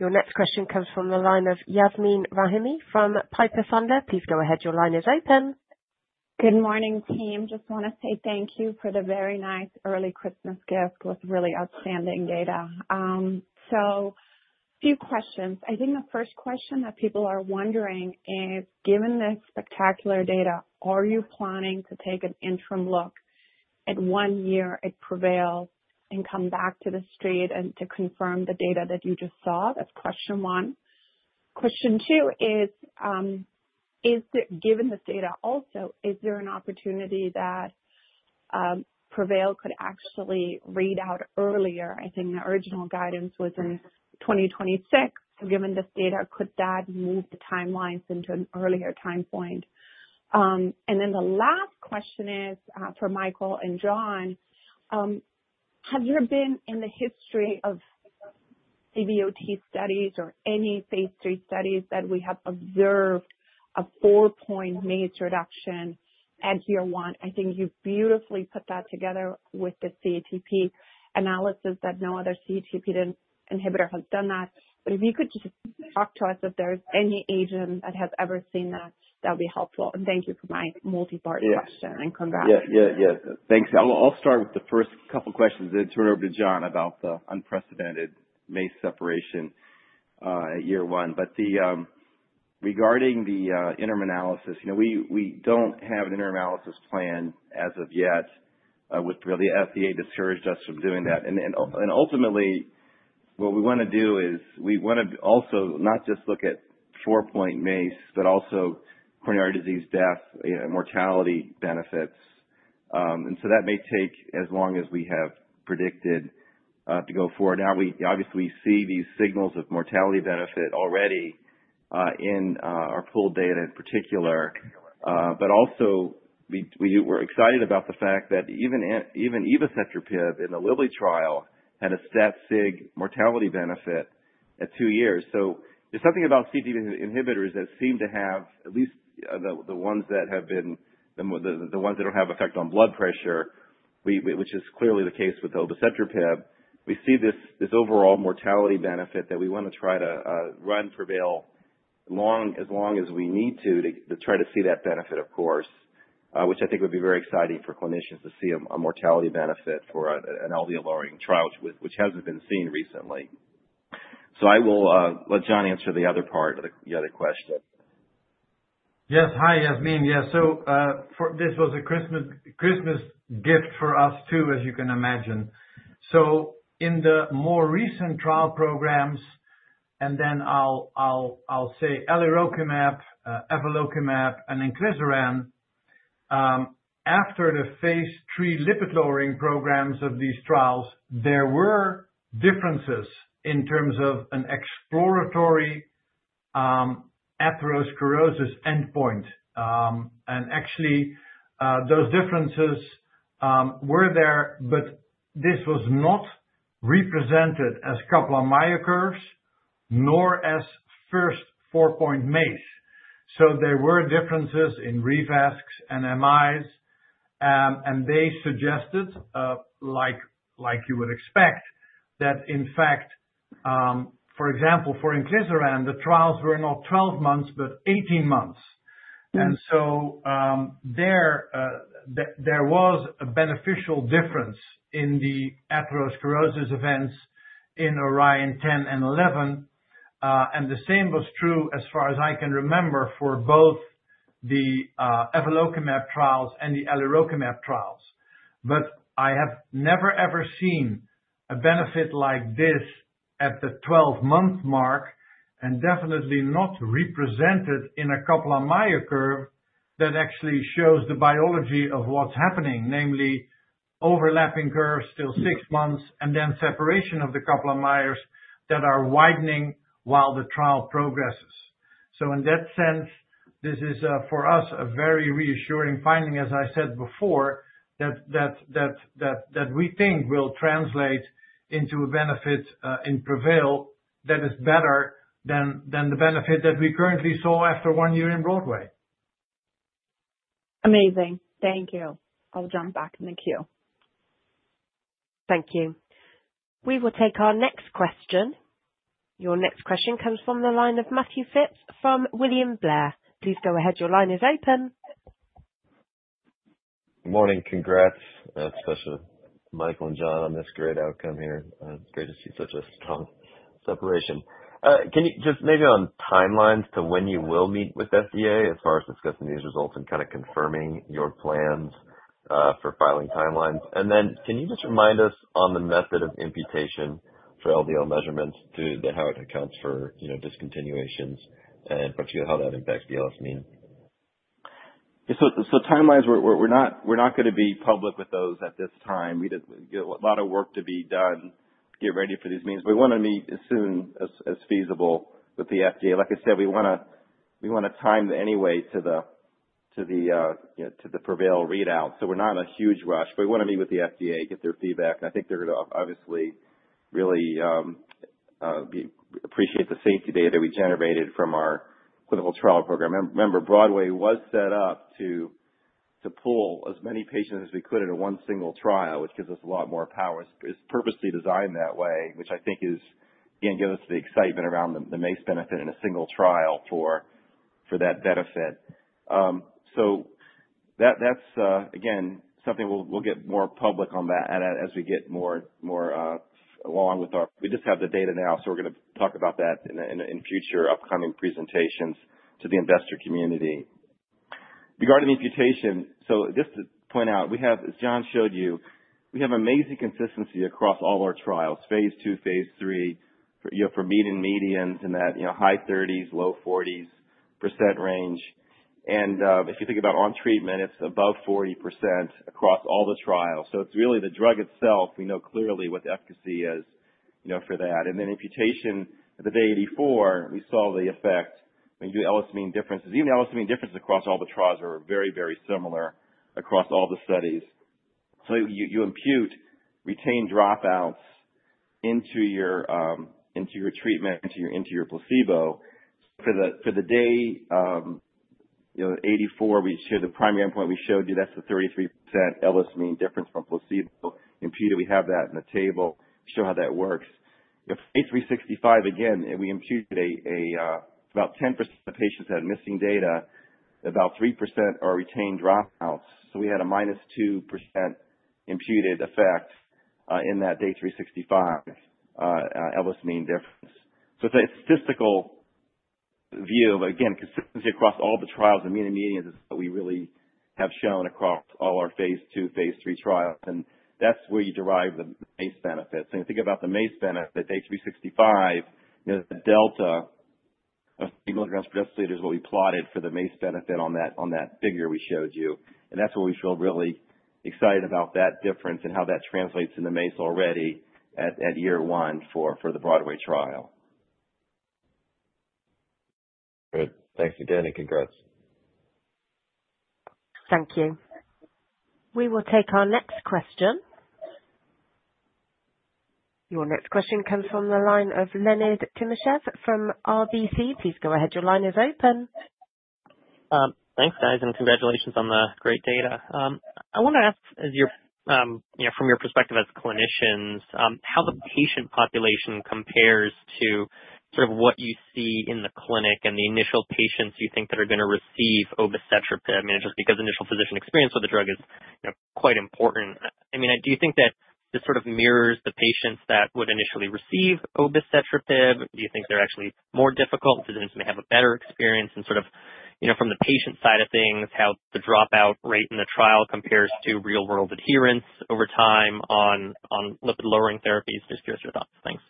Your next question comes from the line of Yasmeen Rahimi from Piper Sandler. Please go ahead. Your line is open. Good morning, team. Just want to say thank you for the very nice early Christmas gift with really outstanding data. So a few questions. I think the first question that people are wondering is, given this spectacular data, are you planning to take an interim look at one year at PREVAIL and come back to the street and to confirm the data that you just saw? That's question one. Question two is, given this data also, is there an opportunity that PREVAIL could actually read out earlier? I think the original guidance was in 2026. So given this data, could that move the timelines into an earlier time point? And then the last question is for Michael and John. Have there been in the history of CVOT studies or any phase 3 studies that we have observed a four-point MACE reduction at year one? I think you've beautifully put that together with the CTT analysis that no other CETP inhibitor has done that. But if you could just talk to us if there's any agent that has ever seen that, that would be helpful. And thank you for my multi-part question and congratulations. Yeah. Yeah. Yeah. Thanks. I'll start with the first couple of questions and then turn over to John about the unprecedented MACE separation at year one. But regarding the interim analysis, we don't have an interim analysis plan as of yet with PREVAIL. The FDA discouraged us from doing that. Ultimately, what we want to do is we want to also not just look at 4-point MACE, but also coronary artery disease death, mortality benefits. So that may take as long as we have predicted to go forward. Now, obviously, we see these signals of mortality benefit already in our pooled data in particular. But also, we're excited about the fact that even evacetrapib in the ACCELERATE trial had a statistically significant mortality benefit at two years. So there's something about CETP inhibitors that seem to have at least the ones that have been the ones that don't have effect on blood pressure, which is clearly the case with obicetrapib. We see this overall mortality benefit that we want to try to run PREVAIL as long as we need to to try to see that benefit, of course, which I think would be very exciting for clinicians to see a mortality benefit for an LDL-lowering trial, which hasn't been seen recently, so I will let John answer the other part of the question. Yes. Hi, Yasmeen. Yeah, so this was a Christmas gift for us too, as you can imagine, so in the more recent trial programs, and then I'll say alirocumab, evolocumab, and inclisiran, after the phase 3 lipid-lowering programs of these trials, there were differences in terms of an exploratory atherosclerosis endpoint. And actually, those differences were there, but this was not represented as Kaplan-Meier curves nor as first four-point MACE, so there were differences in revascs and MIs. They suggested, like you would expect, that in fact, for example, for Inclisiran, the trials were not 12 months, but 18 months. And so there was a beneficial difference in the atherosclerosis events in ORION-10 and ORION-11. And the same was true as far as I can remember for both the Evolocumab trials and the Alirocumab trials. But I have never, ever seen a benefit like this at the 12-month mark and definitely not represented in a Kaplan-Meier curve that actually shows the biology of what's happening, namely overlapping curves till six months and then separation of the Kaplan-Meier curves that are widening while the trial progresses. So in that sense, this is for us a very reassuring finding, as I said before, that we think will translate into a benefit in PREVAIL that is better than the benefit that we currently saw after one year in BROADWAY. Amazing. Thank you. I'll jump back in the queue. Thank you. We will take our next question. Your next question comes from the line of Matt Phipps from William Blair. Please go ahead. Your line is open. Morning. Congrats. Especially Michael and John on this great outcome here. It's great to see such a strong separation. Just maybe on timelines to when you will meet with FDA as far as discussing these results and kind of confirming your plans for filing timelines. And then can you just remind us on the method of imputation for LDL measurements to how it accounts for discontinuations and particularly how that impacts the LS mean? So timelines, we're not going to be public with those at this time. We have a lot of work to be done to get ready for these meetings. We want to meet as soon as feasible with the FDA. Like I said, we want to time anyway to the PREVAIL readout. So we're not in a huge rush, but we want to meet with the FDA, get their feedback. And I think they're going to obviously really appreciate the safety data we generated from our clinical trial program. Remember, BROADWAY was set up to pull as many patients as we could at one single trial, which gives us a lot more power. It's purposely designed that way, which I think is, again, gives us the excitement around the MACE benefit in a single trial for that benefit. So that's, again, something we'll get more public on that as we get more along with our we just have the data now, so we're going to talk about that in future upcoming presentations to the investor community. Regarding the imputation, so just to point out, as John showed you, we have amazing consistency across all our trials, phase 2, phase 3, for meeting medians in that high 30s, low 40s % range. And if you think about on treatment, it's above 40% across all the trials. So it's really the drug itself. We know clearly what the efficacy is for that. And then imputation at the day 84, we saw the effect when you do LS mean differences. Even LS mean differences across all the trials are very, very similar across all the studies. So you impute retained dropouts into your treatment, into your placebo. For the day 84, the primary endpoint we showed you, that's the 33% LS mean difference from placebo imputed. We have that in the table. Show how that works. Day 365, again, we imputed about 10% of patients had missing data. About 3% are retained dropouts. So we had a minus 2% imputed effect in that day 365 LS mean difference. So it's a statistical view, but again, consistency across all the trials and meeting medians is what we really have shown across all our phase 2, phase 3 trials. And that's where you derive the MACE benefits. And think about the MACE benefit at day 365. The delta of 80 milligrams per deciliter is what we plotted for the MACE benefit on that figure we showed you. And that's what we feel really excited about, that difference and how that translates in the MACE already at year one for the BROADWAY trial. Good. Thanks again and congrats. Thank you. We will take our next question. Your next question comes from the line of Leonid Timashev from RBC. Please go ahead. Your line is open. Thanks, guys. Congratulations on the great data. I want to ask, from your perspective as clinicians, how the patient population compares to sort of what you see in the clinic and the initial patients you think that are going to receive Obicetrapib? I mean, just because initial physician experience with the drug is quite important. I mean, do you think that this sort of mirrors the patients that would initially receive Obicetrapib? Do you think they're actually more difficult? Does it mean they have a better experience? And sort of from the patient side of things, how the dropout rate in the trial compares to real-world adherence over time on lipid-lowering therapies? Just curious of your thoughts. Thanks.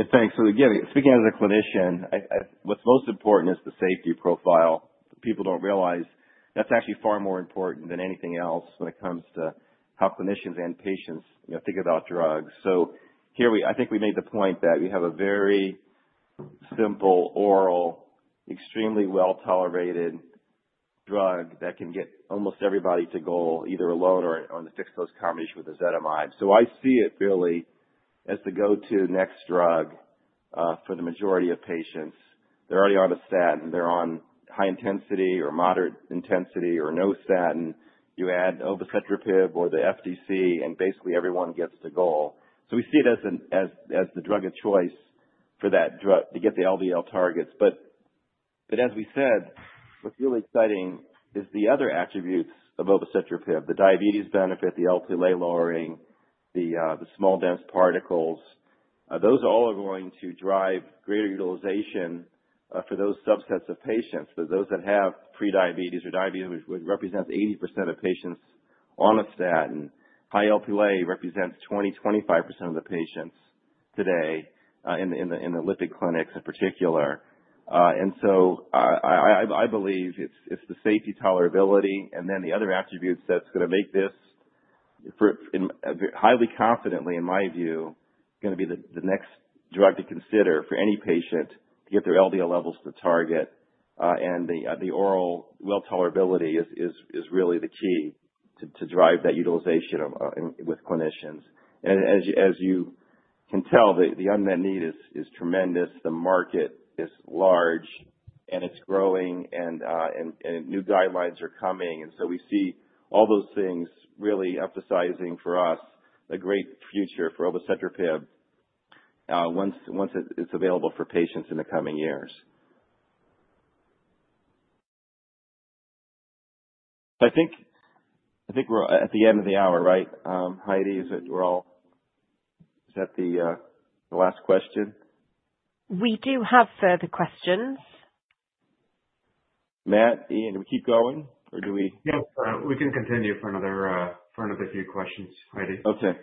Yeah. Thanks. So again, speaking as a clinician, what's most important is the safety profile. People don't realize that's actually far more important than anything else when it comes to how clinicians and patients think about drugs. So here, I think we made the point that we have a very simple oral, extremely well-tolerated drug that can get almost everybody to goal, either alone or in the fixed dose combination with ezetimibe. So I see it really as the go-to next drug for the majority of patients. They're already on a statin. They're on high-intensity or moderate-intensity or no statin. You add Obicetrapib or the FDC, and basically everyone gets to goal. So we see it as the drug of choice for that drug to get the LDL targets. But as we said, what's really exciting is the other attributes of Obicetrapib: the diabetes benefit, the LDL-lowering, the small-dense particles. Those all are going to drive greater utilization for those subsets of patients. Those that have prediabetes or diabetes would represent 80% of patients on a statin. High LDL represents 20%-25% of the patients today in the lipid clinics in particular. And so I believe it's the safety tolerability. And then the other attributes that's going to make this, highly confidently, in my view, going to be the next drug to consider for any patient to get their LDL levels to target. And the oral well-tolerability is really the key to drive that utilization with clinicians. And as you can tell, the unmet need is tremendous. The market is large, and it's growing, and new guidelines are coming. And so we see all those things really emphasizing for us a great future for obicetrapib once it's available for patients in the coming years. I think we're at the end of the hour, right? Heidi, is it? Is that the last question? We do have further questions. Matthew, Ian, do we keep going, or do we? Yes. We can continue for ano ther few questions, Heidi. Okay.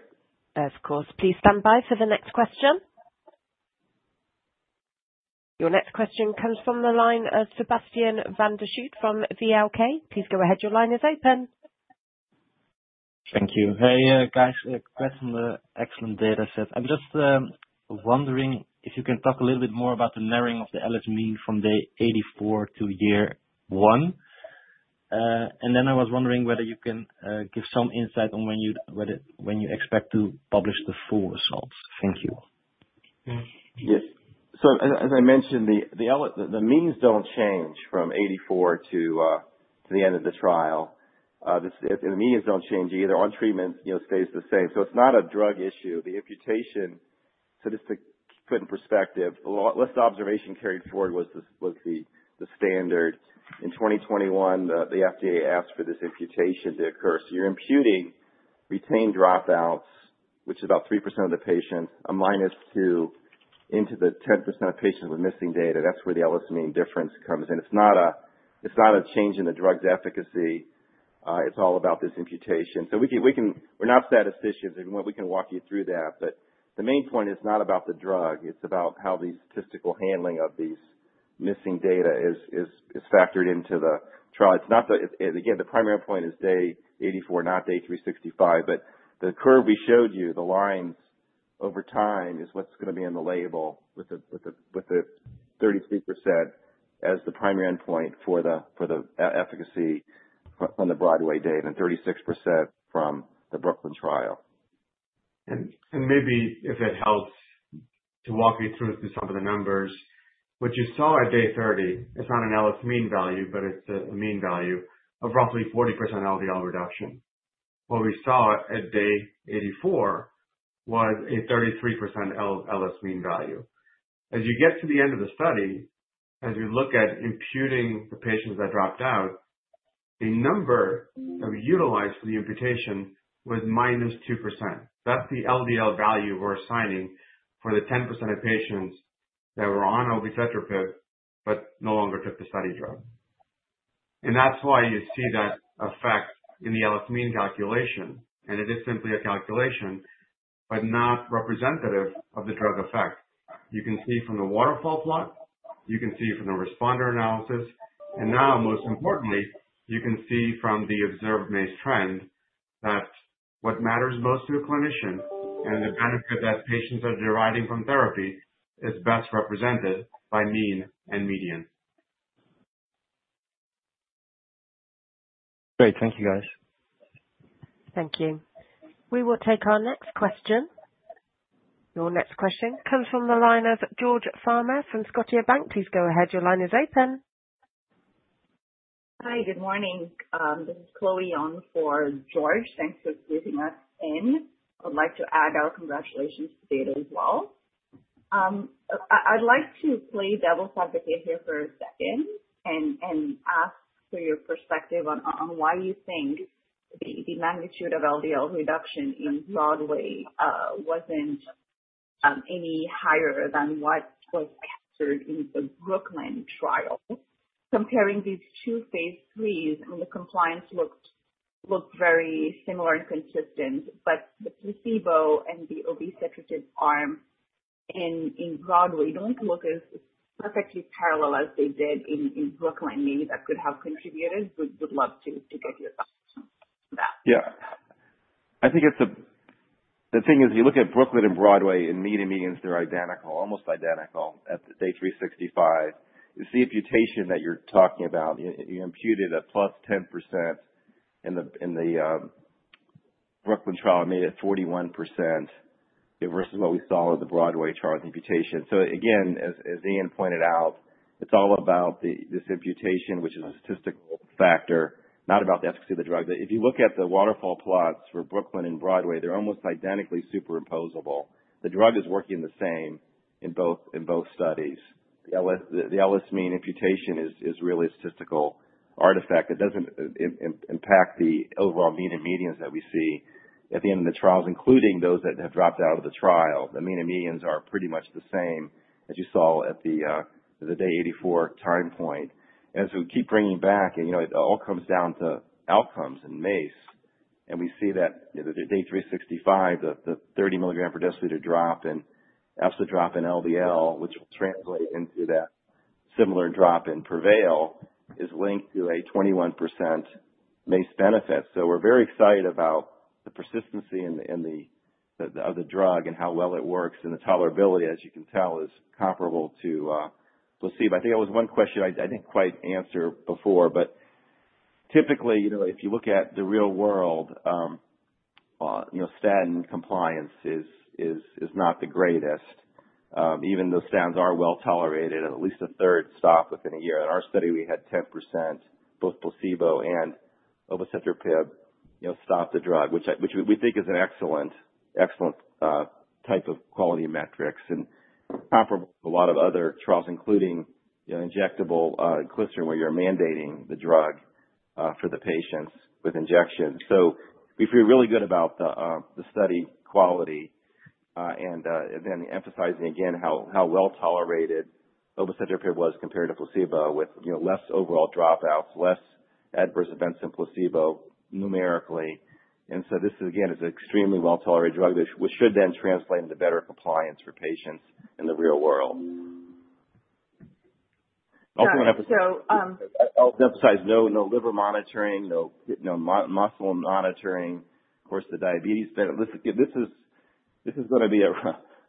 Of course. Please stand by for the next question. Your next question comes from the line of Sebastiaan van der Schrier from VLK. Please go ahead. Your line is open. Thank you. Hey, guys. Congrats on the excellent data set. I'm just wondering if you can talk a little bit more about the narrowing of the LS Mean from day 84 to year one. And then I was wondering whether you can give some insight on when you expect to publish the full results. Thank you. Yes. So as I mentioned, the means don't change from 84 to the end of the trial. The means don't change either. On treatment, it stays the same. So it's not a drug issue. The imputation, so just to put it in perspective, last observation carried forward was the standard. In 2021, the FDA asked for this imputation to occur. So you're imputing retained dropouts, which is about 3% of the patients, a minus 2 into the 10% of patients with missing data. That's where the LSM difference comes in. It's not a change in the drug's efficacy. It's all about this imputation. So we're not statisticians. We can walk you through that. But the main point is not about the drug. It's about how the statistical handling of these missing data is factored into the trial. Again, the primary endpoint is day 84, not day 365. But the curve we showed you, the lines over time is what's going to be in the label with the 33% as the primary endpoint for the efficacy from the BROADWAY data and 36% from the BROOKLYN trial. And maybe, if it helps to walk you through some of the numbers, what you saw at day 30, it's not an LS mean value, but it's a mean value of roughly 40% LDL reduction. What we saw at day 84 was a 33% LS mean value. As you get to the end of the study, as you look at imputing the patients that dropped out, the number that we utilized for the imputation was minus 2%. That's the LDL value we're assigning for the 10% of patients that were on Obicetrapib but no longer took the study drug. And that's why you see that effect in the LS mean calculation. And it is simply a calculation, but not representative of the drug effect. You can see from the waterfall plot. You can see from the responder analysis. And now, most importantly, you can see from the observed MACE trend that what matters most to a clinician and the benefit that patients are deriving from therapy is best represented by mean and median. Great. Thank you, guys. Thank you. We will take our next question. Your next question comes from the line of George Farmer from Scotiabank. Please go ahead. Your line is open. Hi. Good morning. This is Chloe Yong for George. Thanks for squeezing us in. I'd like to add our congratulations to the data as well. I'd like to play devil's advocate here for a second and ask for your perspective on why you think the magnitude of LDL reduction in BROADWAY wasn't any higher than what was captured in the BROOKLYN trial. Comparing these two phase 3, I mean, the compliance looked very similar and consistent, but the placebo and the Obicetrapib arm in BROADWAY don't look as perfectly parallel as they did in BROOKLYN. Maybe that could have contributed. We'd love to get your thoughts on that. Yeah. I think the thing is, you look at BROOKLYN and BROADWAY, and the medians, they're almost identical at day 365. You see imputation that you're talking about. You imputed a +10% in the BROOKLYN trial, made it 41% versus what we saw in the BROADWAY trial imputation. So again, as Ian pointed out, it's all about this imputation, which is a statistical factor, not about the efficacy of the drug. If you look at the waterfall plots for BROOKLYN and BROADWAY, they're almost identically superimposable. The drug is working the same in both studies. The LSM imputation is really a statistical artifact. It doesn't impact the overall mean and medians that we see at the end of the trials, including those that have dropped out of the trial. The mean and medians are pretty much the same as you saw at the day 84 time point. As we keep bringing back, it all comes down to outcomes and MACE. And we see that at day 365, the 30 milligram per deciliter drop and absolute drop in LDL, which will translate into that similar drop in PREVAIL, is linked to a 21% MACE benefit. We're very excited about the persistency of the drug and how well it works. The tolerability, as you can tell, is comparable to placebo. I think that was one question I didn't quite answer before. Typically, if you look at the real world, statin compliance is not the greatest. Even though statins are well tolerated, at least a third stop within a year. In our study, we had 10%, both placebo and obicetrapib, stop the drug, which we think is an excellent type of quality metrics and comparable to a lot of other trials, including inclisiran, where you're mandating the drug for the patients with injection. We feel really good about the study quality and then emphasizing, again, how well tolerated obicetrapib was compared to placebo with less overall dropouts, less adverse events in placebo numerically. And so this, again, is an extremely well-tolerated drug, which should then translate into better compliance for patients in the real world. I also want to emphasize no liver monitoring, no muscle monitoring, of course, the diabetes thing. This is going to be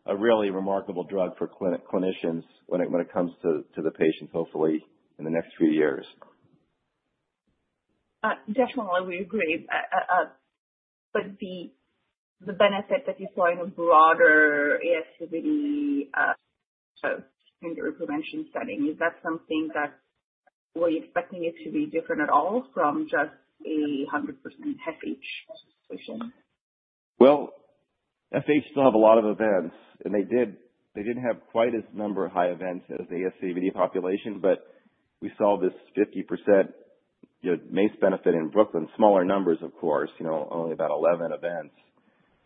a really remarkable drug for clinicians when it comes to the patients, hopefully, in the next few years. Definitely, we agree. But the benefit that you saw in a broader ASCVD secondary prevention setting, is that something that were you expecting it to be different at all from just a 100% FH solution? Well, FH still have a lot of events. And they didn't have quite as number of high events as the ASCVD population. But we saw this 50% MACE benefit in BROOKLYN, smaller numbers, of course, only about 11 events.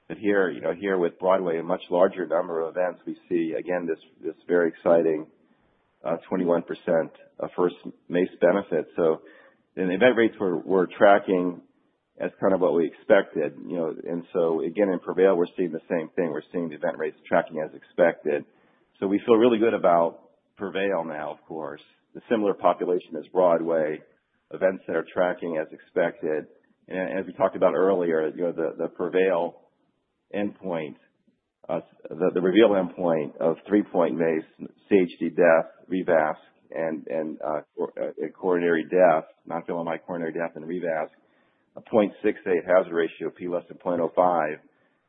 But here, with BROADWAY, a much larger number of events, we see, again, this very exciting 21% first MACE benefit. So the event rates we're tracking as kind of what we expected. And so again, in PREVAIL, we're seeing the same thing. We're seeing the event rates tracking as expected. So we feel really good about PREVAIL now, of course. A similar population as BROADWAY, events that are tracking as expected. And as we talked about earlier, the PREVAIL endpoint, the REVEAL endpoint of three-point MACE, CHD death, non-fatal MI, and coronary revascularization, a 0.68 hazard ratio, P < 0.05.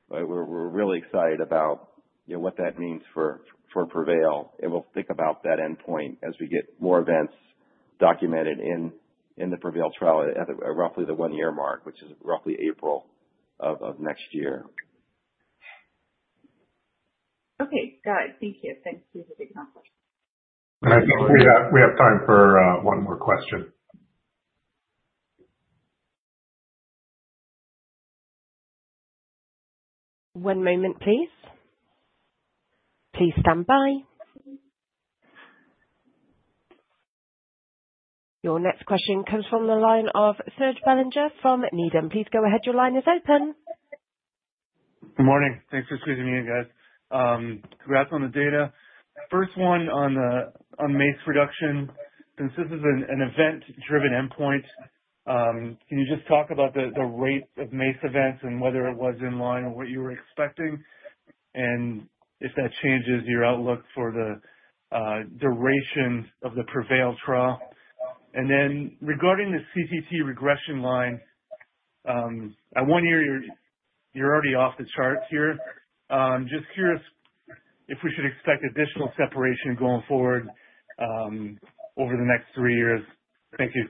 We're really excited about what that means for PREVAIL. And we'll think about that endpoint as we get more events documented in the PREVAIL trial at roughly the one-year mark, which is roughly April of next year. Okay. Got it. Thank you. Thanks for your big compliment. And I think we have time for one more question. One moment, please. Please stand by. Your next question comes from the line of Serge Belanger from Needham. Please go ahead. Your line is open. Good morning. Thanks for squeezing in, guys. Congrats on the data. First one on MACE reduction. Since this is an event-driven endpoint, can you just talk about the rate of MACE events and whether it was in line with what you were expecting? And if that changes your outlook for the duration of the PREVAIL trial? And then regarding the CTT regression line, at one year, you're already off the chart here. Just curious if we should expect additional separation going forward over the next three years. Thank you.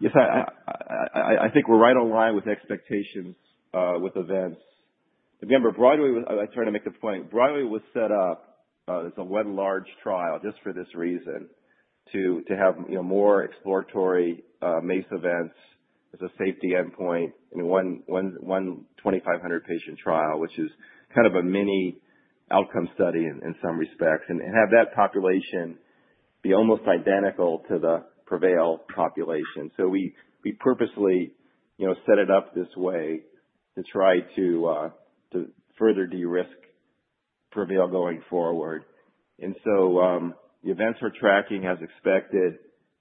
Yes. I think we're right on line with expectations with events. Remember, BROADWAY was. I tried to make the point. BROADWAY was set up as a very large trial just for this reason to have more exploratory MACE events as a safety endpoint in one 2,500-patient trial, which is kind of a mini outcome study in some respects, and have that population be almost identical to the PREVAIL population, so we purposely set it up this way to try to further de-risk PREVAIL going forward, and so the events we're tracking as expected.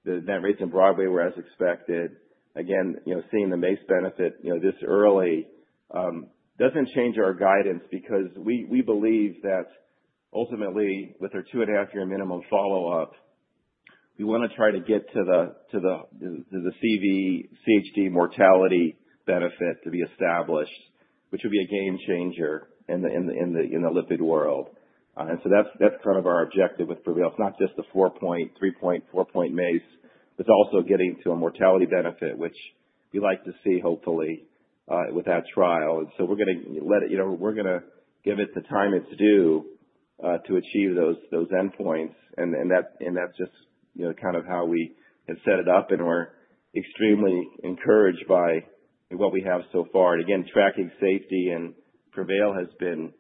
The event rates in BROADWAY were as expected. Again, seeing the MACE benefit this early doesn't change our guidance because we believe that ultimately, with our two-and-a-half-year minimum follow-up, we want to try to get to the CV, CHD mortality benefit to be established, which would be a game changer in the lipid world, and so that's kind of our objective with PREVAIL. It's not just the 3-point, 4-point MACE. It's also getting to a mortality benefit, which we'd like to see, hopefully, with that trial. And so we're going to let it—we're going to give it the time it's due to achieve those endpoints. And that's just kind of how we have set it up. And we're extremely encouraged by what we have so far. And again, tracking safety in PREVAIL has been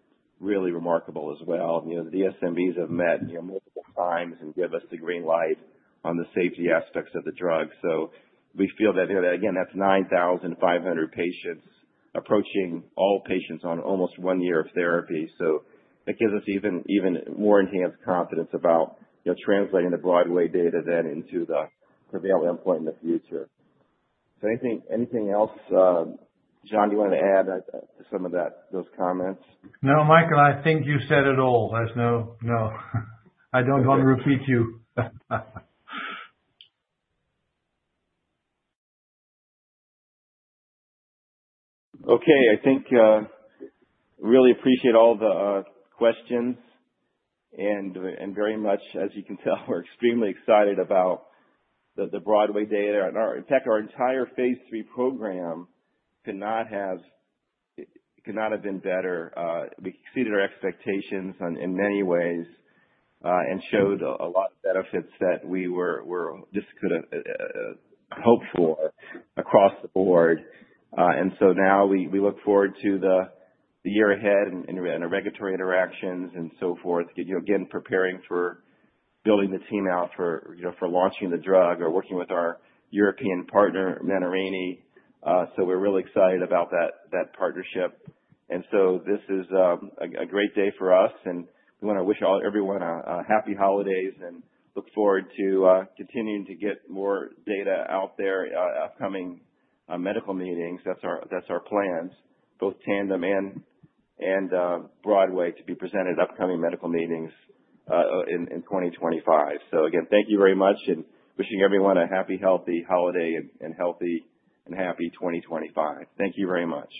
really remarkable as well. The DSMBs have met multiple times and give us the green light on the safety aspects of the drug. So we feel that, again, that's 9,500 patients approaching all patients on almost one year of therapy. So that gives us even more enhanced confidence about translating the BROADWAY data then into the PREVAIL endpoint in the future. So anything else, John, you wanted to add to some of those comments? No, Michael, I think you said it all. I don't want to repeat you. Okay. I think we really appreciate all the questions. And very much, as you can tell, we're extremely excited about the BROADWAY data. In fact, our entire phase 3 program could not have been better. We exceeded our expectations in many ways and showed a lot of benefits that we just couldn't hope for across the board. And so now we look forward to the year ahead and the regulatory interactions and so forth, again, preparing for building the team out for launching the drug or working with our European partner, Menarini. So we're really excited about that partnership. And so this is a great day for us. And we want to wish everyone happy holidays and look forward to continuing to get more data out there, upcoming medical meetings. That's our plans, both TANDEM and BROADWAY, to be presented at upcoming medical meetings in 2025. So again, thank you very much, and wishing everyone a happy, healthy holiday and healthy and happy 2025. Thank you very much.